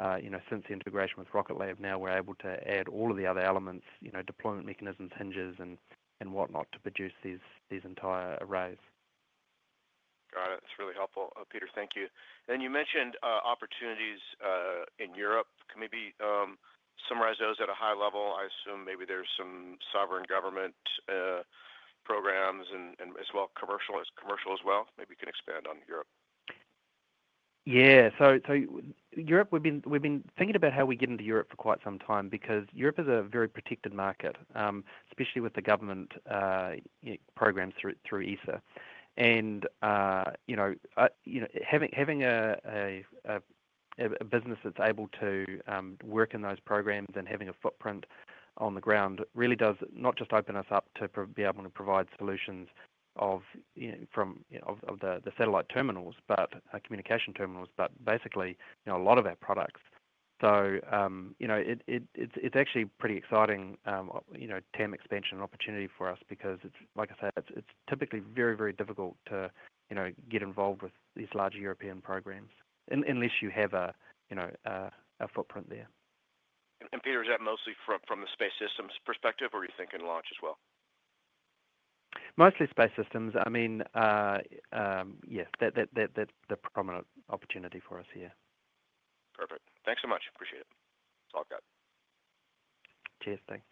since the integration with Rocket Lab, now we're able to add all of the other elements, deployment mechanisms, hinges, and whatnot to produce these entire arrays. Got it. That's really helpful. Peter, thank you. And you mentioned opportunities in Europe. Can maybe summarize those at a high level? I assume maybe there's some sovereign government programs and as well commercial as well. Maybe you can expand on Europe. Yeah. So, Europe, we've been thinking about how we get into Europe for quite some time because Europe is a very protected market, especially with the government programs through ESA. And having a business that's able to work in those programs and having a footprint on the ground really does not just open us up to be able to provide solutions from the satellite terminals, but communication terminals, but basically a lot of our products. So it's actually pretty exciting team expansion opportunity for us because, like I said, it's typically very, very difficult to get involved with these large European programs unless you have a footprint there. Peter, is that mostly from the Space Systems perspective, or are you thinking launch as well? Mostly space systems. I mean, yeah, that's the prominent opportunity for us here. Perfect. Thanks so much. Appreciate it. All good. Cheers. Thanks.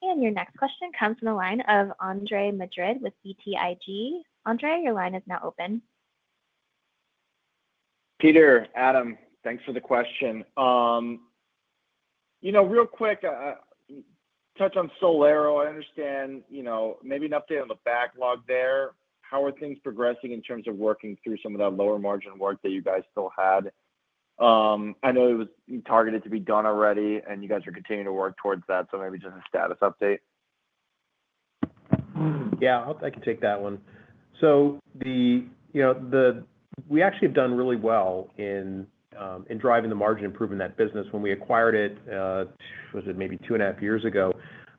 And your next question comes from the line of Andres Madrid with BTIG. Andre, your line is now open. Peter, Adam, thanks for the question. Real quick, touch on SolAero. I understand maybe an update on the backlog there. How are things progressing in terms of working through some of that lower margin work that you guys still had? I know it was targeted to be done already, and you guys are continuing to work towards that. So maybe just a status update. Yeah, I hope I can take that one. So we actually have done really well in driving the margin improvement in that business. When we acquired it, was it maybe two and a half years ago?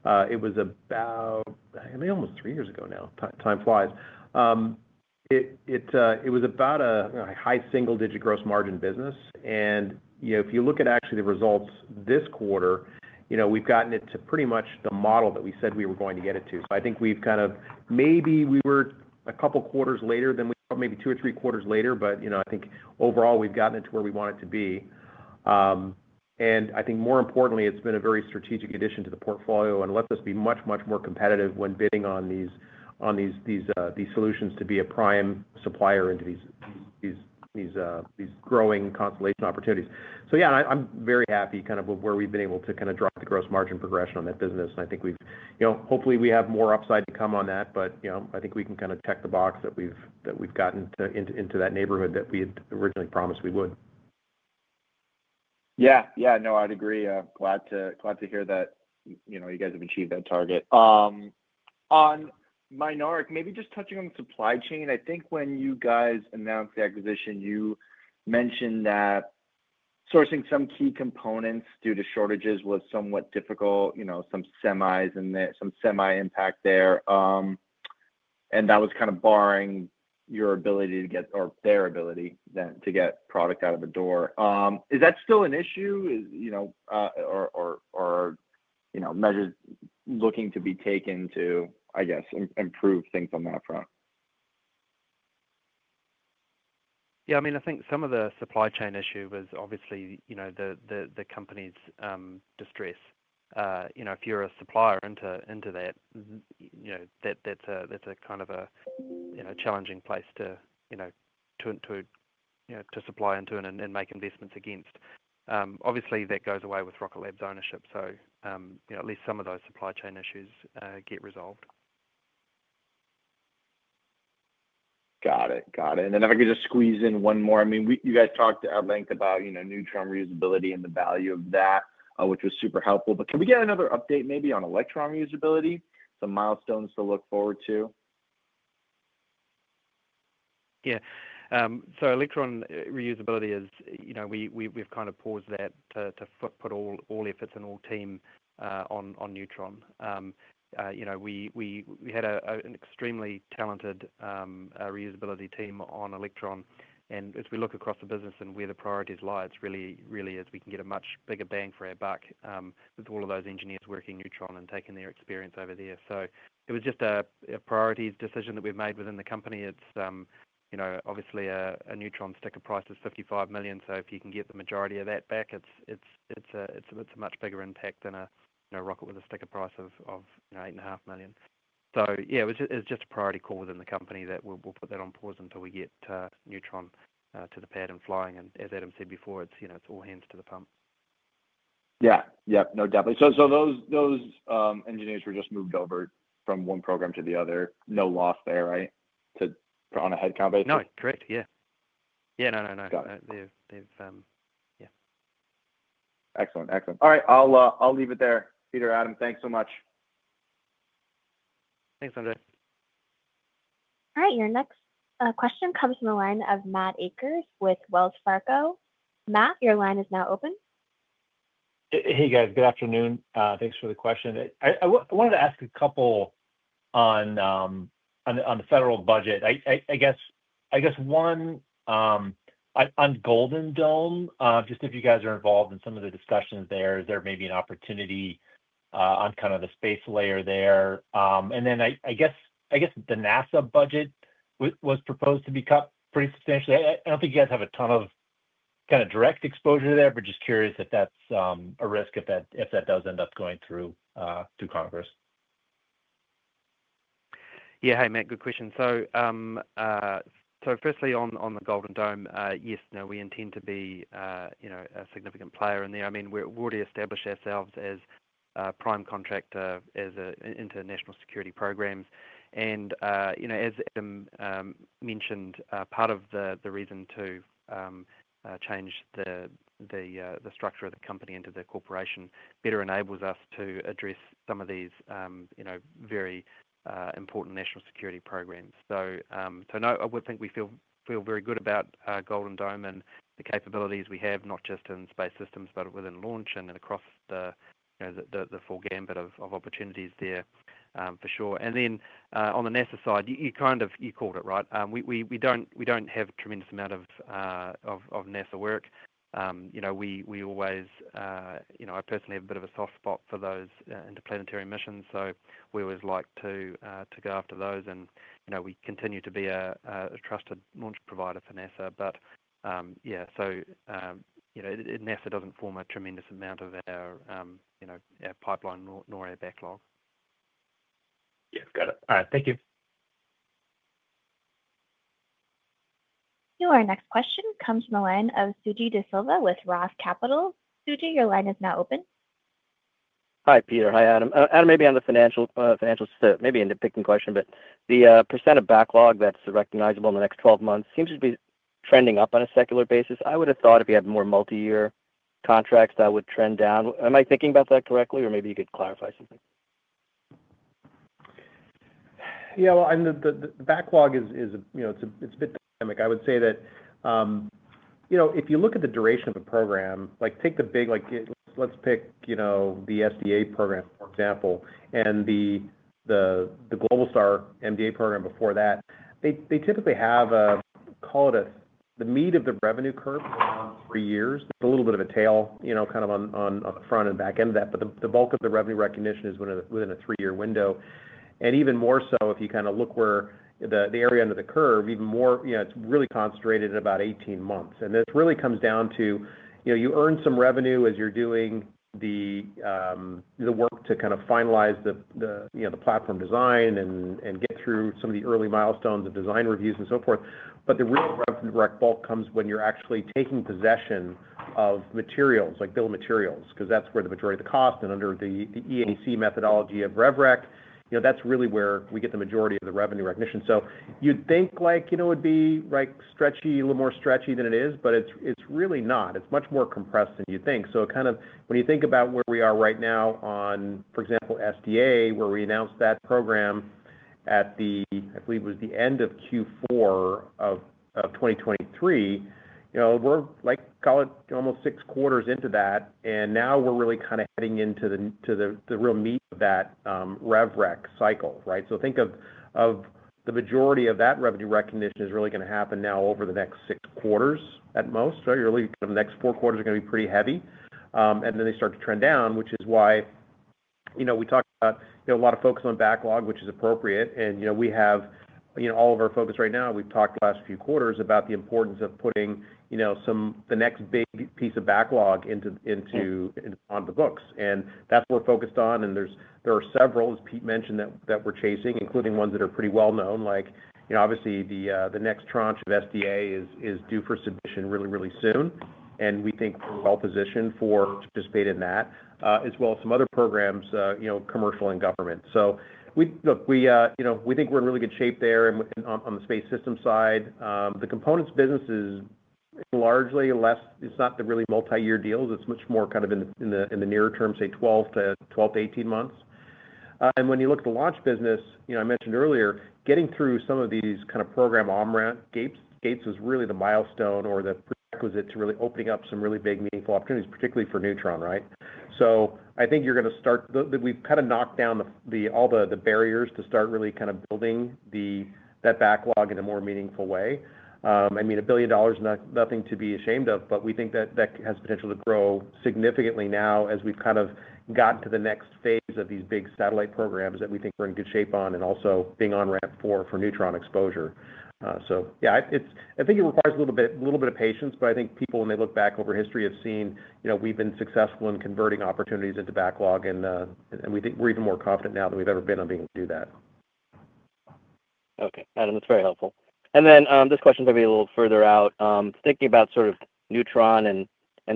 It was about, I think, almost three years ago now. Time flies. It was about a high single-digit gross margin business. And if you look at actually the results this quarter, we've gotten it to pretty much the model that we said we were going to get it to. So I think we've kind of maybe we were a couple quarters later than we thought, maybe two or three quarters later. But I think overall, we've gotten it to where we want it to be. And I think more importantly, it's been a very strategic addition to the portfolio and lets us be much, much more competitive when bidding on these solutions to be a prime supplier into these growing constellation opportunities. So yeah, I'm very happy kind of with where we've been able to kind of drive the gross margin progression on that business. And I think hopefully we have more upside to come on that, but I think we can kind of check the box that we've gotten into that neighborhood that we had originally promised we would. Yeah. Yeah. No, I'd agree. Glad to hear that you guys have achieved that target. On Mynaric, maybe just touching on the supply chain, I think when you guys announced the acquisition, you mentioned that sourcing some key components due to shortages was somewhat difficult, some semis and some semi impact there. And that was kind of barring your ability to get or their ability then to get product out of the door. Is that still an issue or measures looking to be taken to, I guess, improve things on that front? Yeah. I mean, I think some of the supply chain issue was obviously the company's distress. If you're a supplier into that, that's a kind of a challenging place to supply into and make investments against. Obviously, that goes away with Rocket Lab's ownership. So at least some of those supply chain issues get resolved. Got it. Got it. And then if I could just squeeze in one more. I mean, you guys talked at length about Neutron reusability and the value of that, which was super helpful. But can we get another update maybe on Electron reusability, some milestones to look forward to? Yeah. So Electron reusability is we've kind of paused that to put all efforts and all team on Neutron. We had an extremely talented reusability team on Electron. And as we look across the business and where the priorities lie, it's really as we can get a much bigger bang for our buck with all of those engineers working Neutron and taking their experience over there. So it was just a priorities decision that we've made within the company. It's obviously a Neutron sticker price of $55 million. So if you can get the majority of that back, it's a much bigger impact than a rocket with a sticker price of $8.5 million. So yeah, it's just a priority call within the company that we'll put that on pause until we get Neutron to the pad and flying. And as Adam said before, it's all hands to the pump. Yeah. Yep. No doubt. So those engineers were just moved over from one program to the other. No loss there, right? On a headcount basis? No. Correct. Yeah. Yeah. No, no, no. Yeah. Excellent. Excellent. All right. I'll leave it there. Peter, Adam, thanks so much. Thanks, Andre. All right. Your next question comes from the line of Matt Akers with Wells Fargo. Matt, your line is now open. Hey, guys. Good afternoon. Thanks for the question. I wanted to ask a couple on the federal budget. I guess one on Golden Dome, just if you guys are involved in some of the discussions there, is there maybe an opportunity on kind of the space layer there? And then I guess the NASA budget was proposed to be cut pretty substantially. I don't think you guys have a ton of kind of direct exposure there, but just curious if that's a risk if that does end up going through Congress. Yeah. Hey, Matt, good question. So firstly, on the Golden Dome, yes, no, we intend to be a significant player in there. I mean, we already established ourselves as a prime contractor as into national security programs. And as Adam mentioned, part of the reason to change the structure of the company into the corporation better enables us to address some of these very important national security programs. So no, I would think we feel very good about Golden Dome and the capabilities we have, not just in Space Systems, but within launch and across the full gamut of opportunities there for sure. And then on the NASA side, you called it, right? We don't have a tremendous amount of NASA work. We always, I personally have a bit of a soft spot for those interplanetary missions. So we always like to go after those. We continue to be a trusted launch provider for NASA. Yeah, so NASA doesn't form a tremendous amount of our pipeline nor our backlog. Yeah. Got it. All right. Thank you. Your next question comes from the line of Suji Desilva with Roth Capital. Suji, your line is now open. Hi, Peter. Hi, Adam. Adam, maybe on the financial side, maybe in the backlog question, but the percent of backlog that's recognizable in the next 12 months seems to be trending up on a secular basis. I would have thought if you had more multi-year contracts, that would trend down. Am I thinking about that correctly, or maybe you could clarify something? Yeah. Well, the backlog is a bit dynamic. I would say that if you look at the duration of a program, take the big, let's pick the SDA program, for example, and the Globalstar MDA program before that. They typically have a, call it a, the meat of the revenue curve is around three years. There's a little bit of a tail kind of on the front and back end of that. But the bulk of the revenue recognition is within a three-year window. And even more so, if you kind of look where the area under the curve, even more, it's really concentrated at about 18 months. And this really comes down to you earn some revenue as you're doing the work to kind of finalize the platform design and get through some of the early milestones of design reviews and so forth. But the real revenue direct bulk comes when you're actually taking possession of materials, like bill of materials, because that's where the majority of the cost and under the EAC methodology of RevRec, that's really where we get the majority of the revenue recognition. So you'd think it would be a little more stretchy than it is, but it's really not. It's much more compressed than you think. So kind of when you think about where we are right now on, for example, SDA, where we announced that program at the, I believe it was the end of Q4 of 2023, we're almost six quarters into that. And now we're really kind of heading into the real meat of that RevRec cycle, right? So think of the majority of that revenue recognition is really going to happen now over the next six quarters at most. So really the next four quarters are going to be pretty heavy. And then they start to trend down, which is why we talked about a lot of focus on backlog, which is appropriate. And we have all of our focus right now. We've talked the last few quarters about the importance of putting the next big piece of backlog onto the books. And that's what we're focused on. And there are several, as Pete mentioned, that we're chasing, including ones that are pretty well-known, like obviously the next tranche of SDA is due for submission really, really soon. And we think we're well-positioned to participate in that, as well as some other programs, commercial and government. So look, we think we're in really good shape there on the Space System side. The components business is largely less. It's not the really multi-year deals. It's much more kind of in the near term, say 12-18 months. When you look at the launch business, I mentioned earlier, getting through some of these kind of program gates was really the milestone or the prerequisite to really opening up some really big, meaningful opportunities, particularly for Neutron, right? I think you're going to start that we've kind of knocked down all the barriers to start really kind of building that backlog in a more meaningful way. I mean, $1 billion is nothing to be ashamed of, but we think that that has potential to grow significantly now as we've kind of gotten to the next phase of these big satellite programs that we think we're in good shape on and also being on ramp for Neutron exposure. So, yeah, I think it requires a little bit of patience, but I think people, when they look back over history, have seen we've been successful in converting opportunities into backlog. And we think we're even more confident now than we've ever been on being able to do that. Okay. Adam, that's very helpful. And then this question is maybe a little further out. Thinking about sort of Neutron and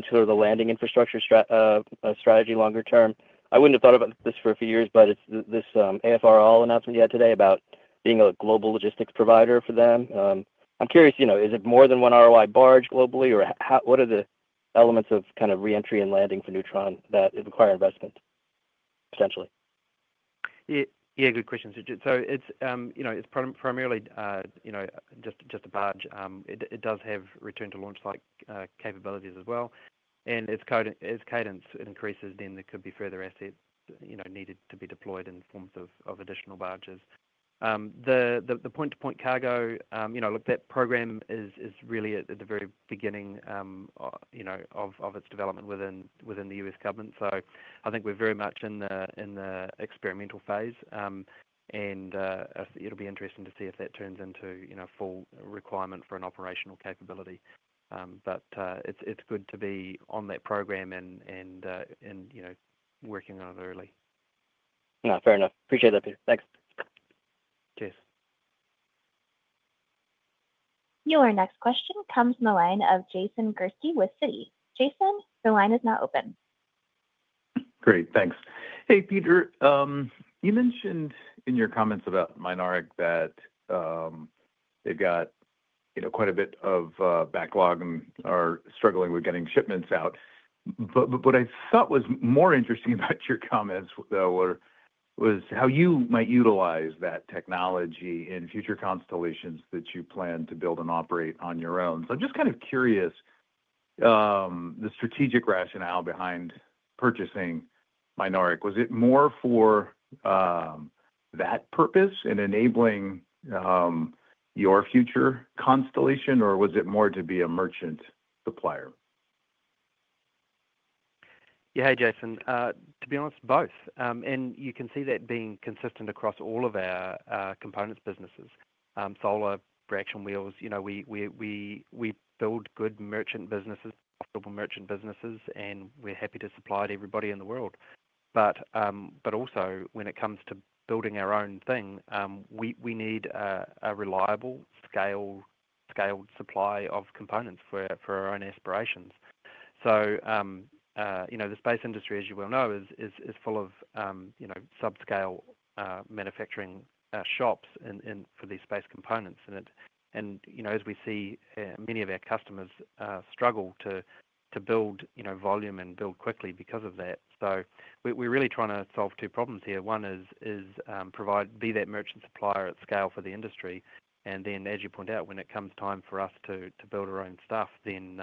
sort of the landing infrastructure strategy longer term, I wouldn't have thought about this for a few years, but it's this AFRL announcement you had today about being a global logistics provider for them. I'm curious, is it more than one recovery barge globally, or what are the elements of kind of reentry and landing for Neutron that require investment potentially? Yeah. Good question, Suji. So it's primarily just a barge. It does have return-to-launch-site capabilities as well. And as cadence increases, then there could be further assets needed to be deployed in forms of additional barges. The point-to-point cargo, look, that program is really at the very beginning of its development within the U.S. government. So I think we're very much in the experimental phase. And it'll be interesting to see if that turns into full requirement for an operational capability. But it's good to be on that program and working on it early. Fair enough. Appreciate that, Peter. Thanks. Cheers. Your next question comes from the line of Jason Gursky with Citi. Jason, the line is now open. Great. Thanks. Hey, Peter, you mentioned in your comments about Mynaric that they've got quite a bit of backlog and are struggling with getting shipments out. But what I thought was more interesting about your comments was how you might utilize that technology in future constellations that you plan to build and operate on your own. So I'm just kind of curious, the strategic rationale behind purchasing Mynaric, was it more for that purpose and enabling your future constellation, or was it more to be a merchant supplier? Yeah, Jason, to be honest, both. And you can see that being consistent across all of our components businesses, solar, reaction wheels. We build good merchant businesses, profitable merchant businesses, and we're happy to supply to everybody in the world. But also when it comes to building our own thing, we need a reliable scaled supply of components for our own aspirations. So the space industry, as you well know, is full of subscale manufacturing shops for these space components. And as we see many of our customers struggle to build volume and build quickly because of that. So we're really trying to solve two problems here. One is be that merchant supplier at scale for the industry. And then, as you point out, when it comes time for us to build our own stuff, then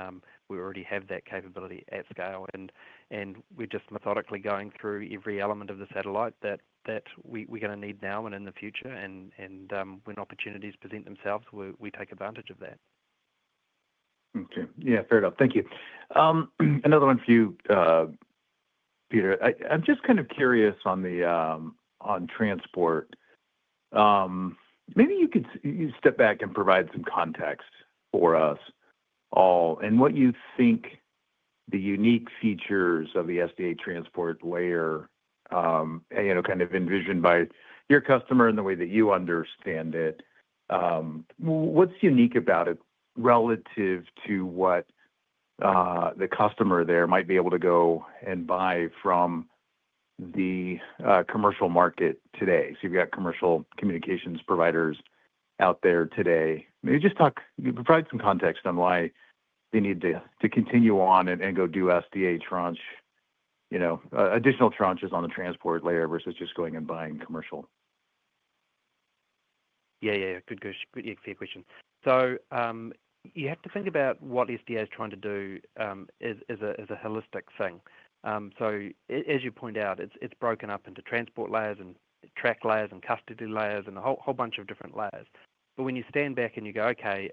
we already have that capability at scale. We're just methodically going through every element of the satellite that we're going to need now and in the future. When opportunities present themselves, we take advantage of that. Okay. Yeah. Fair enough. Thank you. Another one for you, Peter. I'm just kind of curious on transport. Maybe you could step back and provide some context for us all and what you think the unique features of the SDA transport layer kind of envisioned by your customer and the way that you understand it. What's unique about it relative to what the customer there might be able to go and buy from the commercial market today? So you've got commercial communications providers out there today. Maybe just provide some context on why they need to continue on and go do SDA additional tranches on the transport layer versus just going and buying commercial. Yeah, yeah, yeah. Good question, so you have to think about what SDA is trying to do as a holistic thing, so as you point out, it's broken up into Transport Layers and Tracking Layers and Custody Layers and a whole bunch of different layers, but when you stand back and you go, "Okay,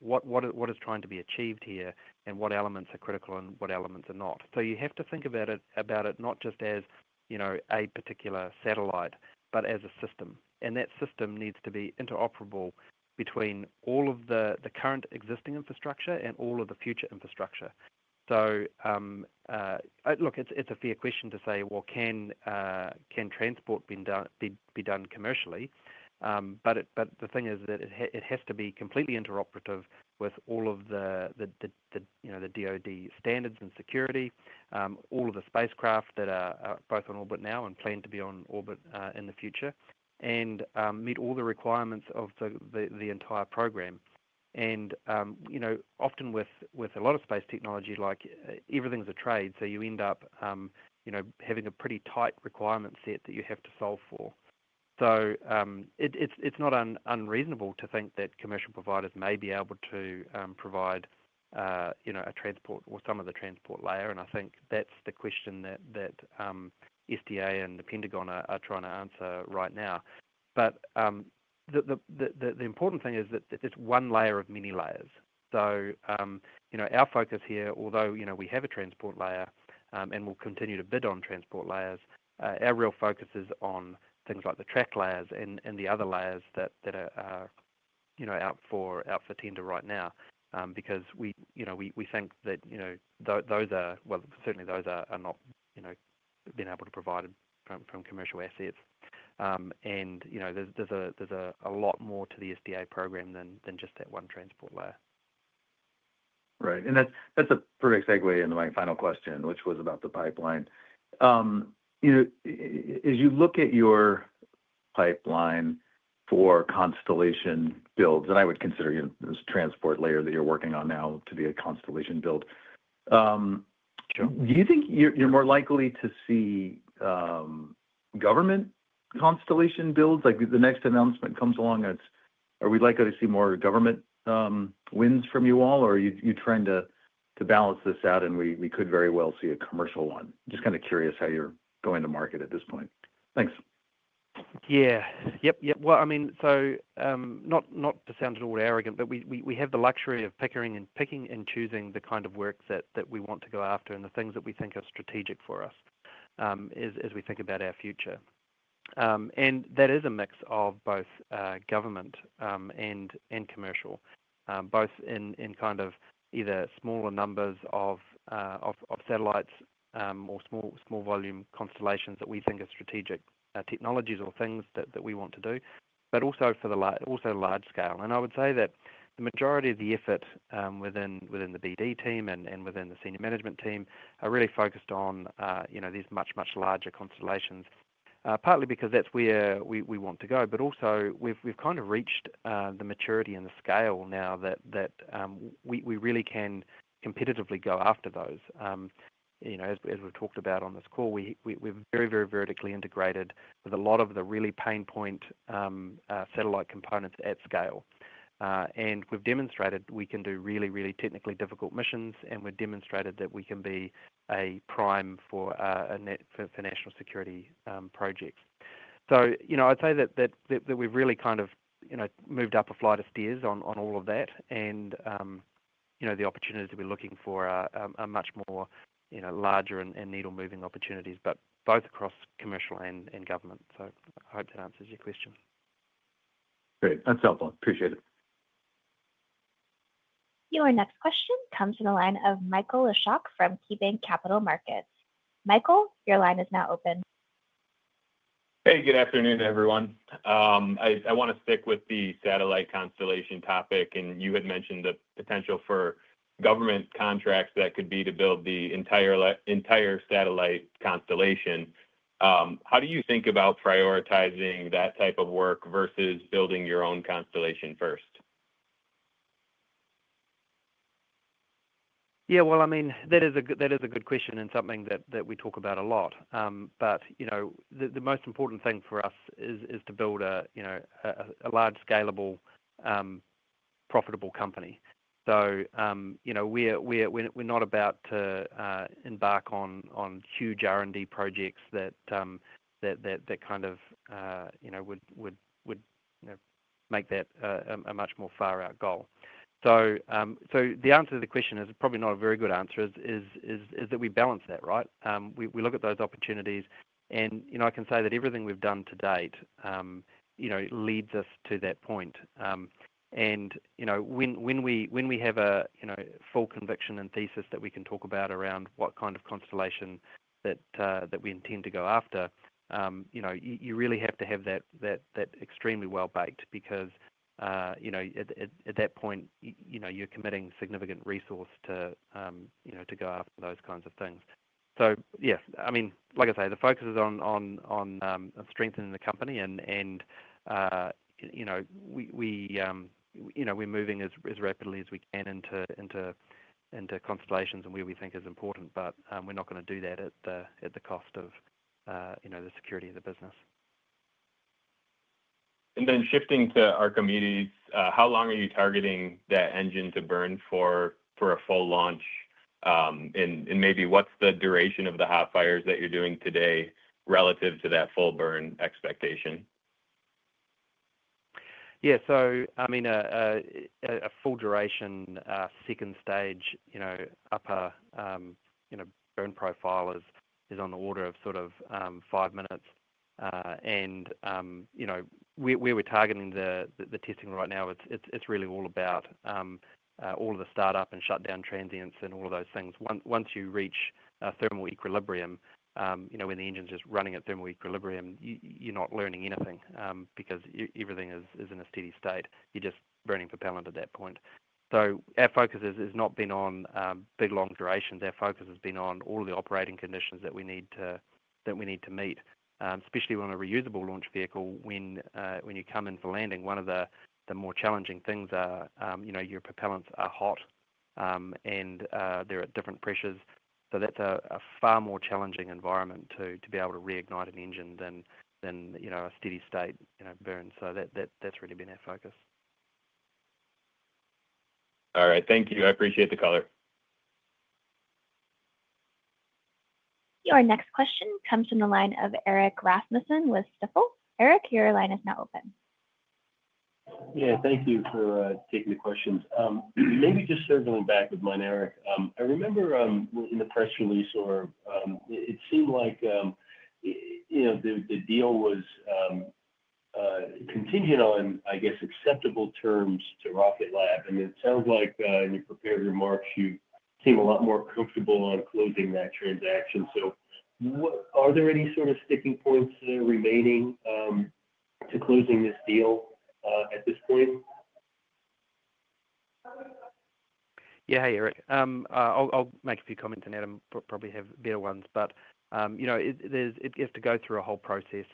what is trying to be achieved here and what elements are critical and what elements are not?" so you have to think about it not just as a particular satellite, but as a system, and that system needs to be interoperable between all of the current existing infrastructure and all of the future infrastructure. So look, it's a fair question to say, "Well, can transport be done commercially?" But the thing is that it has to be completely interoperative with all of the DOD standards and security, all of the spacecraft that are both on orbit now and plan to be on orbit in the future, and meet all the requirements of the entire program. And often with a lot of space technology, everything's a trade. So you end up having a pretty tight requirement set that you have to solve for. So it's not unreasonable to think that commercial providers may be able to provide a transport or some of the transport layer. And I think that's the question that SDA and the Pentagon are trying to answer right now. But the important thing is that it's one layer of many layers. Our focus here, although we have a Transport Layer and we'll continue to bid on Transport Layers, our real focus is on things like the Tracking Layers and the other layers that are out for tender right now because we think that those are, well, certainly those are not being able to provide from commercial assets, and there's a lot more to the SDA program than just that one Transport Layer. Right. And that's a perfect segue into my final question, which was about the pipeline. As you look at your pipeline for constellation builds, and I would consider this Transport Layer that you're working on now to be a constellation build, do you think you're more likely to see government constellation builds? The next announcement comes along. Are we likely to see more government wins from you all, or are you trying to balance this out and we could very well see a commercial one? Just kind of curious how you're going to market at this point. Thanks. Yeah. Yep, yep. Well, I mean, so not to sound at all arrogant, but we have the luxury of picking and choosing the kind of work that we want to go after and the things that we think are strategic for us as we think about our future. And that is a mix of both government and commercial, both in kind of either smaller numbers of satellites or small volume constellations that we think are strategic technologies or things that we want to do, but also for the large scale. And I would say that the majority of the effort within the BD team and within the senior management team are really focused on these much, much larger constellations, partly because that's where we want to go. But also we've kind of reached the maturity and the scale now that we really can competitively go after those. As we've talked about on this call, we're very, very vertically integrated with a lot of the really pain point satellite components at scale. And we've demonstrated we can do really, really technically difficult missions, and we've demonstrated that we can be a prime for national security projects. So I'd say that we've really kind of moved up a flight of stairs on all of that. And the opportunities we're looking for are much more larger and needle-moving opportunities, but both across commercial and government. So I hope that answers your question. Great. That's helpful. Appreciate it. Your next question comes from the line of Michael Leshock from KeyBanc Capital Markets. Michael, your line is now open. Hey, good afternoon, everyone. I want to stick with the satellite constellation topic, and you had mentioned the potential for government contracts that could be to build the entire satellite constellation. How do you think about prioritizing that type of work versus building your own constellation first? Yeah. Well, I mean, that is a good question and something that we talk about a lot. But the most important thing for us is to build a large, scalable, profitable company. So we're not about to embark on huge R&D projects that kind of would make that a much more far-out goal. So the answer to the question is probably not a very good answer, is that we balance that, right? We look at those opportunities. And I can say that everything we've done to date leads us to that point. And when we have a full conviction and thesis that we can talk about around what kind of constellation that we intend to go after, you really have to have that extremely well-baked because at that point, you're committing significant resource to go after those kinds of things. Yeah, I mean, like I say, the focus is on strengthening the company. We're moving as rapidly as we can into constellations and where we think is important, but we're not going to do that at the cost of the security of the business. Shifting to our combustors, how long are you targeting that engine to burn for a full launch? And maybe what's the duration of the hot fires that you're doing today relative to that full burn expectation? Yeah. So I mean, a full duration second stage upper burn profile is on the order of sort of five minutes. And where we're targeting the testing right now, it's really all about all of the startup and shutdown transients and all of those things. Once you reach thermal equilibrium, when the engine's just running at thermal equilibrium, you're not learning anything because everything is in a steady state. You're just burning propellant at that point. So our focus has not been on big long durations. Our focus has been on all of the operating conditions that we need to meet, especially on a reusable launch vehicle. When you come in for landing, one of the more challenging things are your propellants are hot and they're at different pressures. So that's a far more challenging environment to be able to reignite an engine than a steady state burn. So that's really been our focus. All right. Thank you. I appreciate the color. Your next question comes from the line of Erik Rasmussen with Stifel. Erik, your line is now open. Yeah. Thank you for taking the questions. Maybe just circling back with Mynaric. I remember in the press release, it seemed like the deal was contingent on, I guess, acceptable terms to Rocket Lab. And it sounds like in your prepared remarks, you seem a lot more comfortable on closing that transaction. So are there any sort of sticking points remaining to closing this deal at this point? Yeah, Eric. I'll make a few comments on that and probably have better ones. But it has to go through a whole process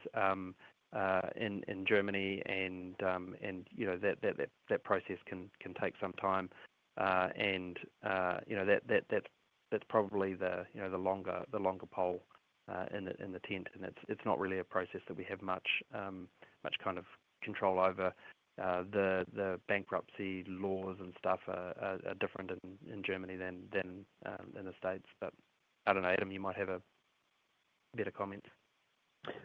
in Germany, and that process can take some time. And that's probably the longer pole in the tent. And it's not really a process that we have much kind of control over. The bankruptcy laws and stuff are different in Germany than in the States. But I don't know, Adam, you might have a better comment.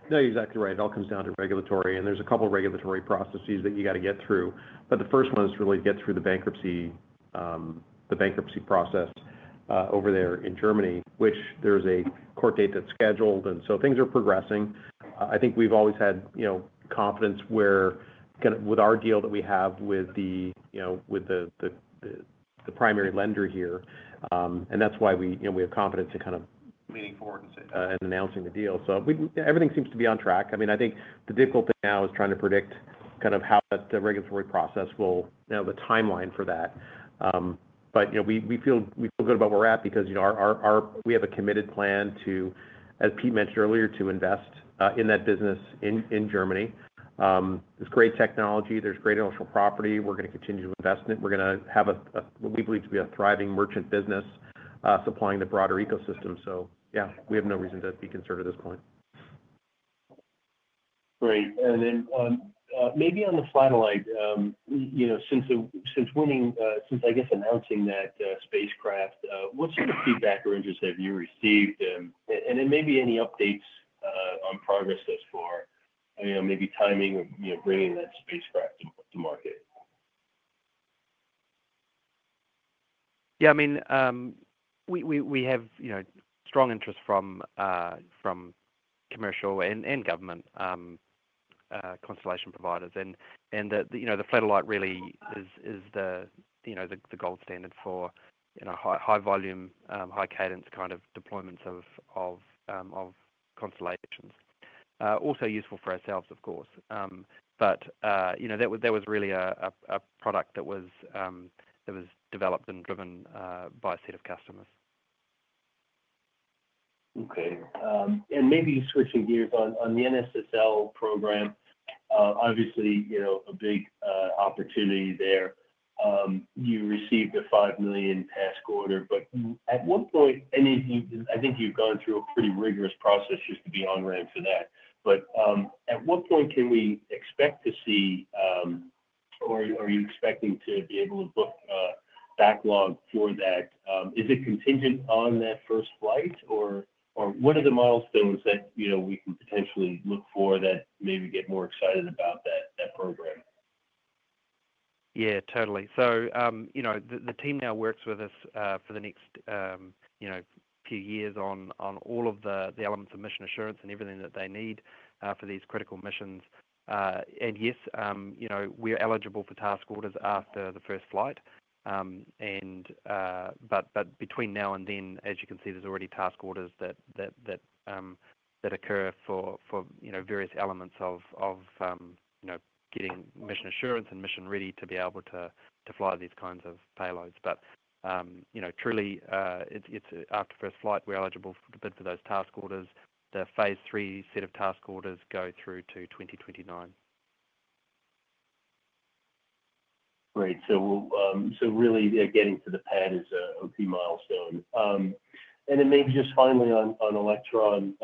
No, exactly right. It all comes down to regulatory. And there's a couple of regulatory processes that you got to get through. But the first one is really to get through the bankruptcy process over there in Germany, which there's a court date that's scheduled. And so things are progressing. I think we've always had confidence with our deal that we have with the primary lender here. And that's why we have confidence in kind of leaning forward and announcing the deal. So everything seems to be on track. I mean, I think the difficulty now is trying to predict kind of how the regulatory process will now, the timeline for that. But we feel good about where we're at because we have a committed plan, as Pete mentioned earlier, to invest in that business in Germany. It's great technology. There's great intellectual property. We're going to continue to invest in it. We're going to have what we believe to be a thriving merchant business supplying the broader ecosystem. So yeah, we have no reason to be concerned at this point. Great. And then maybe on the final line, since winning, I guess, announcing that spacecraft, what sort of feedback or interest have you received? And then maybe any updates on progress thus far, maybe timing of bringing that spacecraft to market? Yeah. I mean, we have strong interest from commercial and government constellation providers. And the flight heritage really is the gold standard for high-volume, high-cadence kind of deployments of constellations. Also useful for ourselves, of course, but that was really a product that was developed and driven by a set of customers. Okay. And maybe switching gears on the NSSL program, obviously a big opportunity there. You received a $5 million task order. But at what point, I think you've gone through a pretty rigorous process just to be on ramp for that. But at what point can we expect to see, or are you expecting to be able to book backlog for that? Is it contingent on that first flight, or what are the milestones that we can potentially look for that maybe get more excited about that program? Yeah, totally. So the team now works with us for the next few years on all of the elements of mission assurance and everything that they need for these critical missions. And yes, we're eligible for task orders after the first flight. But between now and then, as you can see, there's already task orders that occur for various elements of getting mission assurance and mission ready to be able to fly these kinds of payloads. But truly, it's after first flight we're eligible to bid for those task orders. The Phase 3 set of task orders go through to 2029. Great. So really getting to the pad is a key milestone. And then maybe just finally on Electron,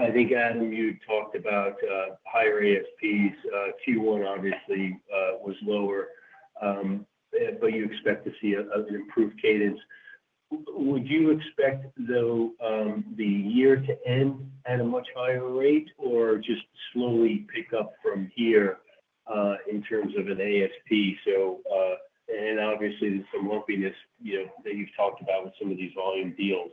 I think, Adam, you talked about higher ASPs. Q1 obviously was lower, but you expect to see an improved cadence. Would you expect, though, the year to end at a much higher rate or just slowly pick up from here in terms of an ASP? And obviously, there's some lumpiness that you've talked about with some of these volume deals.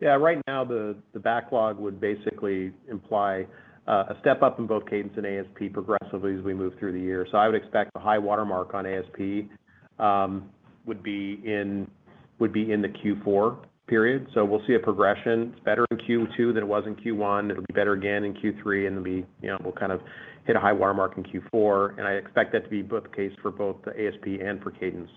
Yeah. Right now, the backlog would basically imply a step up in both cadence and ASP progressively as we move through the year. So I would expect the high watermark on ASP would be in the Q4 period. So we'll see a progression. It's better in Q2 than it was in Q1. It'll be better again in Q3. And we'll kind of hit a high watermark in Q4. And I expect that to be both the case for both the ASP and for cadence.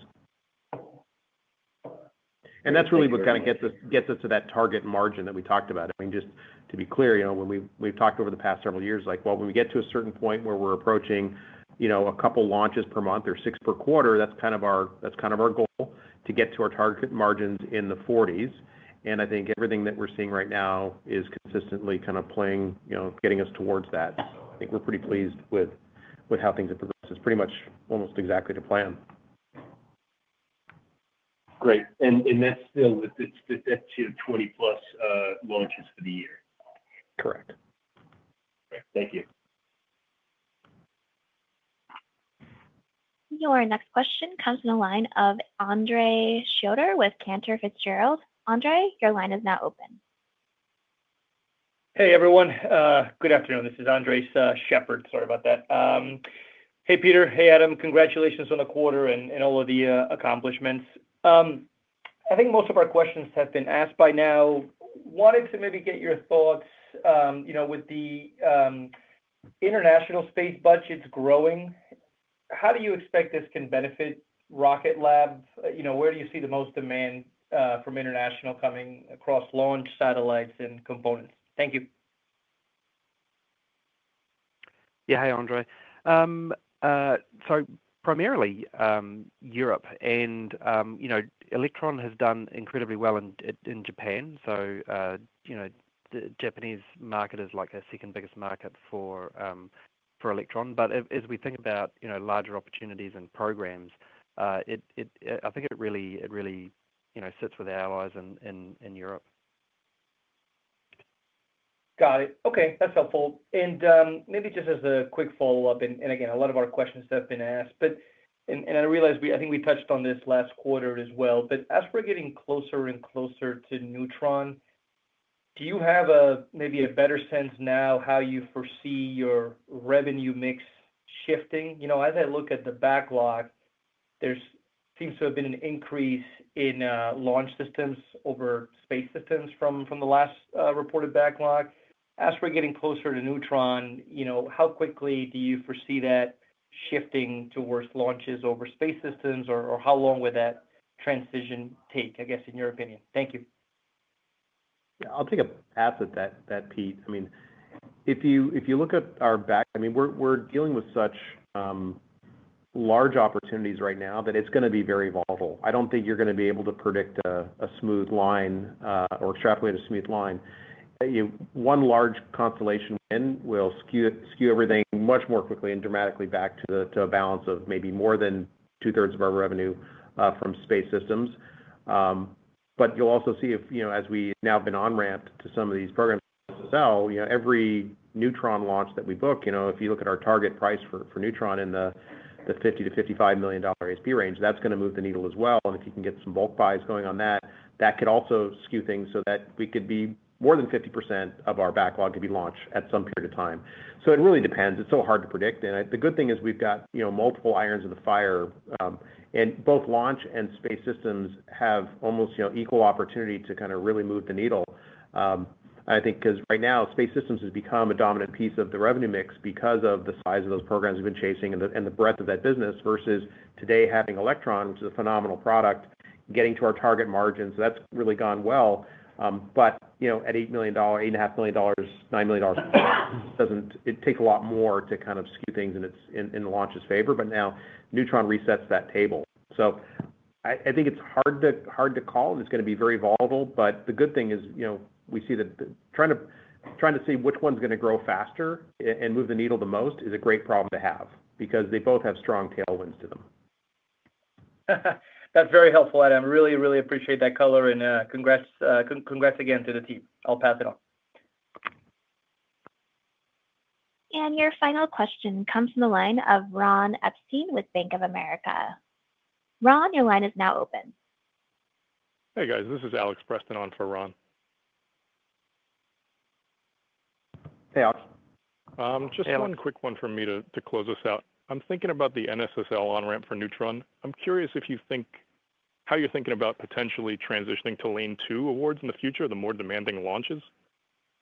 And that's really what kind of gets us to that target margin that we talked about. I mean, just to be clear, when we've talked over the past several years, well, when we get to a certain point where we're approaching a couple launches per month or six per quarter, that's kind of our goal to get to our target margins in the 40s. I think everything that we're seeing right now is consistently kind of getting us towards that. So I think we're pretty pleased with how things have progressed. It's pretty much almost exactly to plan. Great. And that's still 20+ launches for the year? Correct. Great. Thank you. Your next question comes from the line of Andres Sheppard with Cantor Fitzgerald. Andres, your line is now open. Hey, everyone. Good afternoon. This is Andres Sheppard. Sorry about that. Hey, Peter. Hey, Adam. Congratulations on the quarter and all of the accomplishments. I think most of our questions have been asked by now. Wanted to maybe get your thoughts. With the international space budgets growing, how do you expect this can benefit Rocket Lab? Where do you see the most demand from international coming across launch satellites and components? Thank you. Yeah. Hi, Andre. Sorry. Primarily Europe, and Electron has done incredibly well in Japan, so the Japanese market is like their second biggest market for Electron, but as we think about larger opportunities and programs, I think it really sits with our allies in Europe. Got it. Okay. That's helpful. And maybe just as a quick follow-up, and again, a lot of our questions have been asked, and I realize I think we touched on this last quarter as well, but as we're getting closer and closer to Neutron, do you have maybe a better sense now how you foresee your revenue mix shifting? As I look at the backlog, there seems to have been an increase in launch systems over Space Systems from the last reported backlog. As we're getting closer to Neutron, how quickly do you foresee that shifting towards launches over space systems, or how long would that transition take, I guess, in your opinion? Thank you. Yeah. I'll take a pass at that, Pete. I mean, if you look at our backlog, I mean, we're dealing with such large opportunities right now that it's going to be very volatile. I don't think you're going to be able to predict a smooth line or extrapolate a smooth line. One large constellation win will skew everything much more quickly and dramatically back to a balance of maybe more than two-thirds of our revenue from Space Systems. But you'll also see if, as we now have been on ramp to some of these programs, every Neutron launch that we book, if you look at our target price for Neutron in the $50 million-$55 million ASP range, that's going to move the needle as well. And if you can get some bulk buys going on that, that could also skew things so that we could be more than 50% of our backlog to be launched at some period of time. So it really depends. It's so hard to predict. And the good thing is we've got multiple irons in the fire. And both launch and Space Systems have almost equal opportunity to kind of really move the needle, I think, because right now, space systems has become a dominant piece of the revenue mix because of the size of those programs we've been chasing and the breadth of that business versus today having Electron, which is a phenomenal product, getting to our target margins. That's really gone well. But at $8 million, $8.5 million, $9 million, it takes a lot more to kind of skew things in launch's favor. But now Neutron resets that table. So I think it's hard to call, and it's going to be very volatile. But the good thing is we see that trying to see which one's going to grow faster and move the needle the most is a great problem to have because they both have strong tailwinds to them. That's very helpful, Adam. Really, really appreciate that color and congrats again to the team. I'll pass it off. And your final question comes from the line of Ron Epstein with Bank of America. Ron, your line is now open. Hey, guys. This is Alex Preston on for Ron. Hey, Alex. Just one quick one from me to close us out. I'm thinking about the NSSL on ramp for Neutron. I'm curious how you're thinking about potentially transitioning to Lane 2 awards in the future, the more demanding launches.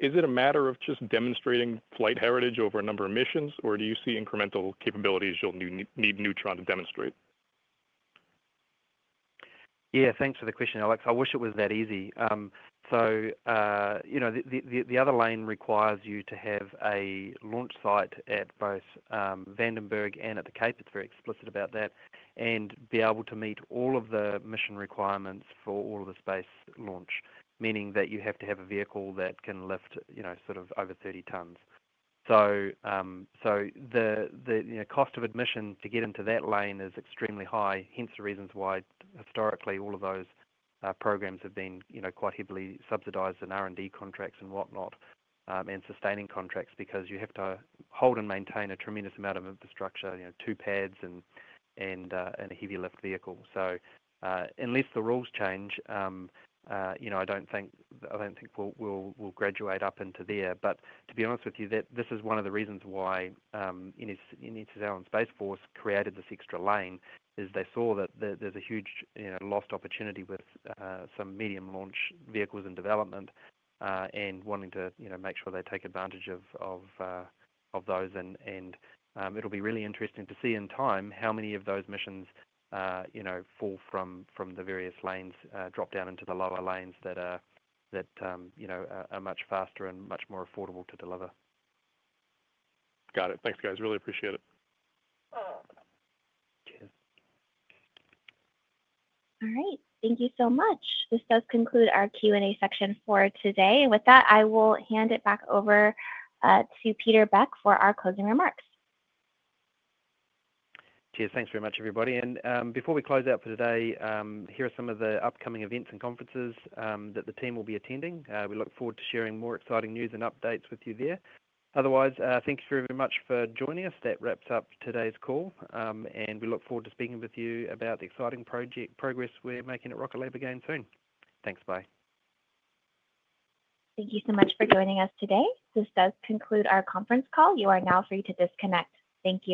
Is it a matter of just demonstrating flight heritage over a number of missions, or do you see incremental capabilities you'll need Neutron to demonstrate? Yeah. Thanks for the question, Alex. I wish it was that easy. So the other lane requires you to have a launch site at both Vandenberg and at the Cape. It's very explicit about that, and be able to meet all of the mission requirements for all of the space launch, meaning that you have to have a vehicle that can lift sort of over 30 tons. So the cost of admission to get into that lane is extremely high. Hence the reasons why historically all of those programs have been quite heavily subsidized in R&D contracts and whatnot and sustaining contracts because you have to hold and maintain a tremendous amount of infrastructure, two pads, and a heavy-lift vehicle. So unless the rules change, I don't think we'll graduate up into there. But, to be honest with you, this is one of the reasons why NSSL and Space Force created this extra lane is they saw that there's a huge lost opportunity with some medium launch vehicles in development and wanting to make sure they take advantage of those. And it'll be really interesting to see in time how many of those missions fall from the various lanes, drop down into the lower lanes that are much faster and much more affordable to deliver. Got it. Thanks, guys. Really appreciate it. Cheers. All right. Thank you so much. This does conclude our Q&A section for today, and with that, I will hand it back over to Peter Beck for our closing remarks. Cheers. Thanks very much, everybody. And before we close out for today, here are some of the upcoming events and conferences that the team will be attending. We look forward to sharing more exciting news and updates with you there. Otherwise, thank you very much for joining us. That wraps up today's call. And we look forward to speaking with you about the exciting progress we're making at Rocket Lab again soon. Thanks. Bye. Thank you so much for joining us today. This does conclude our conference call. You are now free to disconnect. Thank you.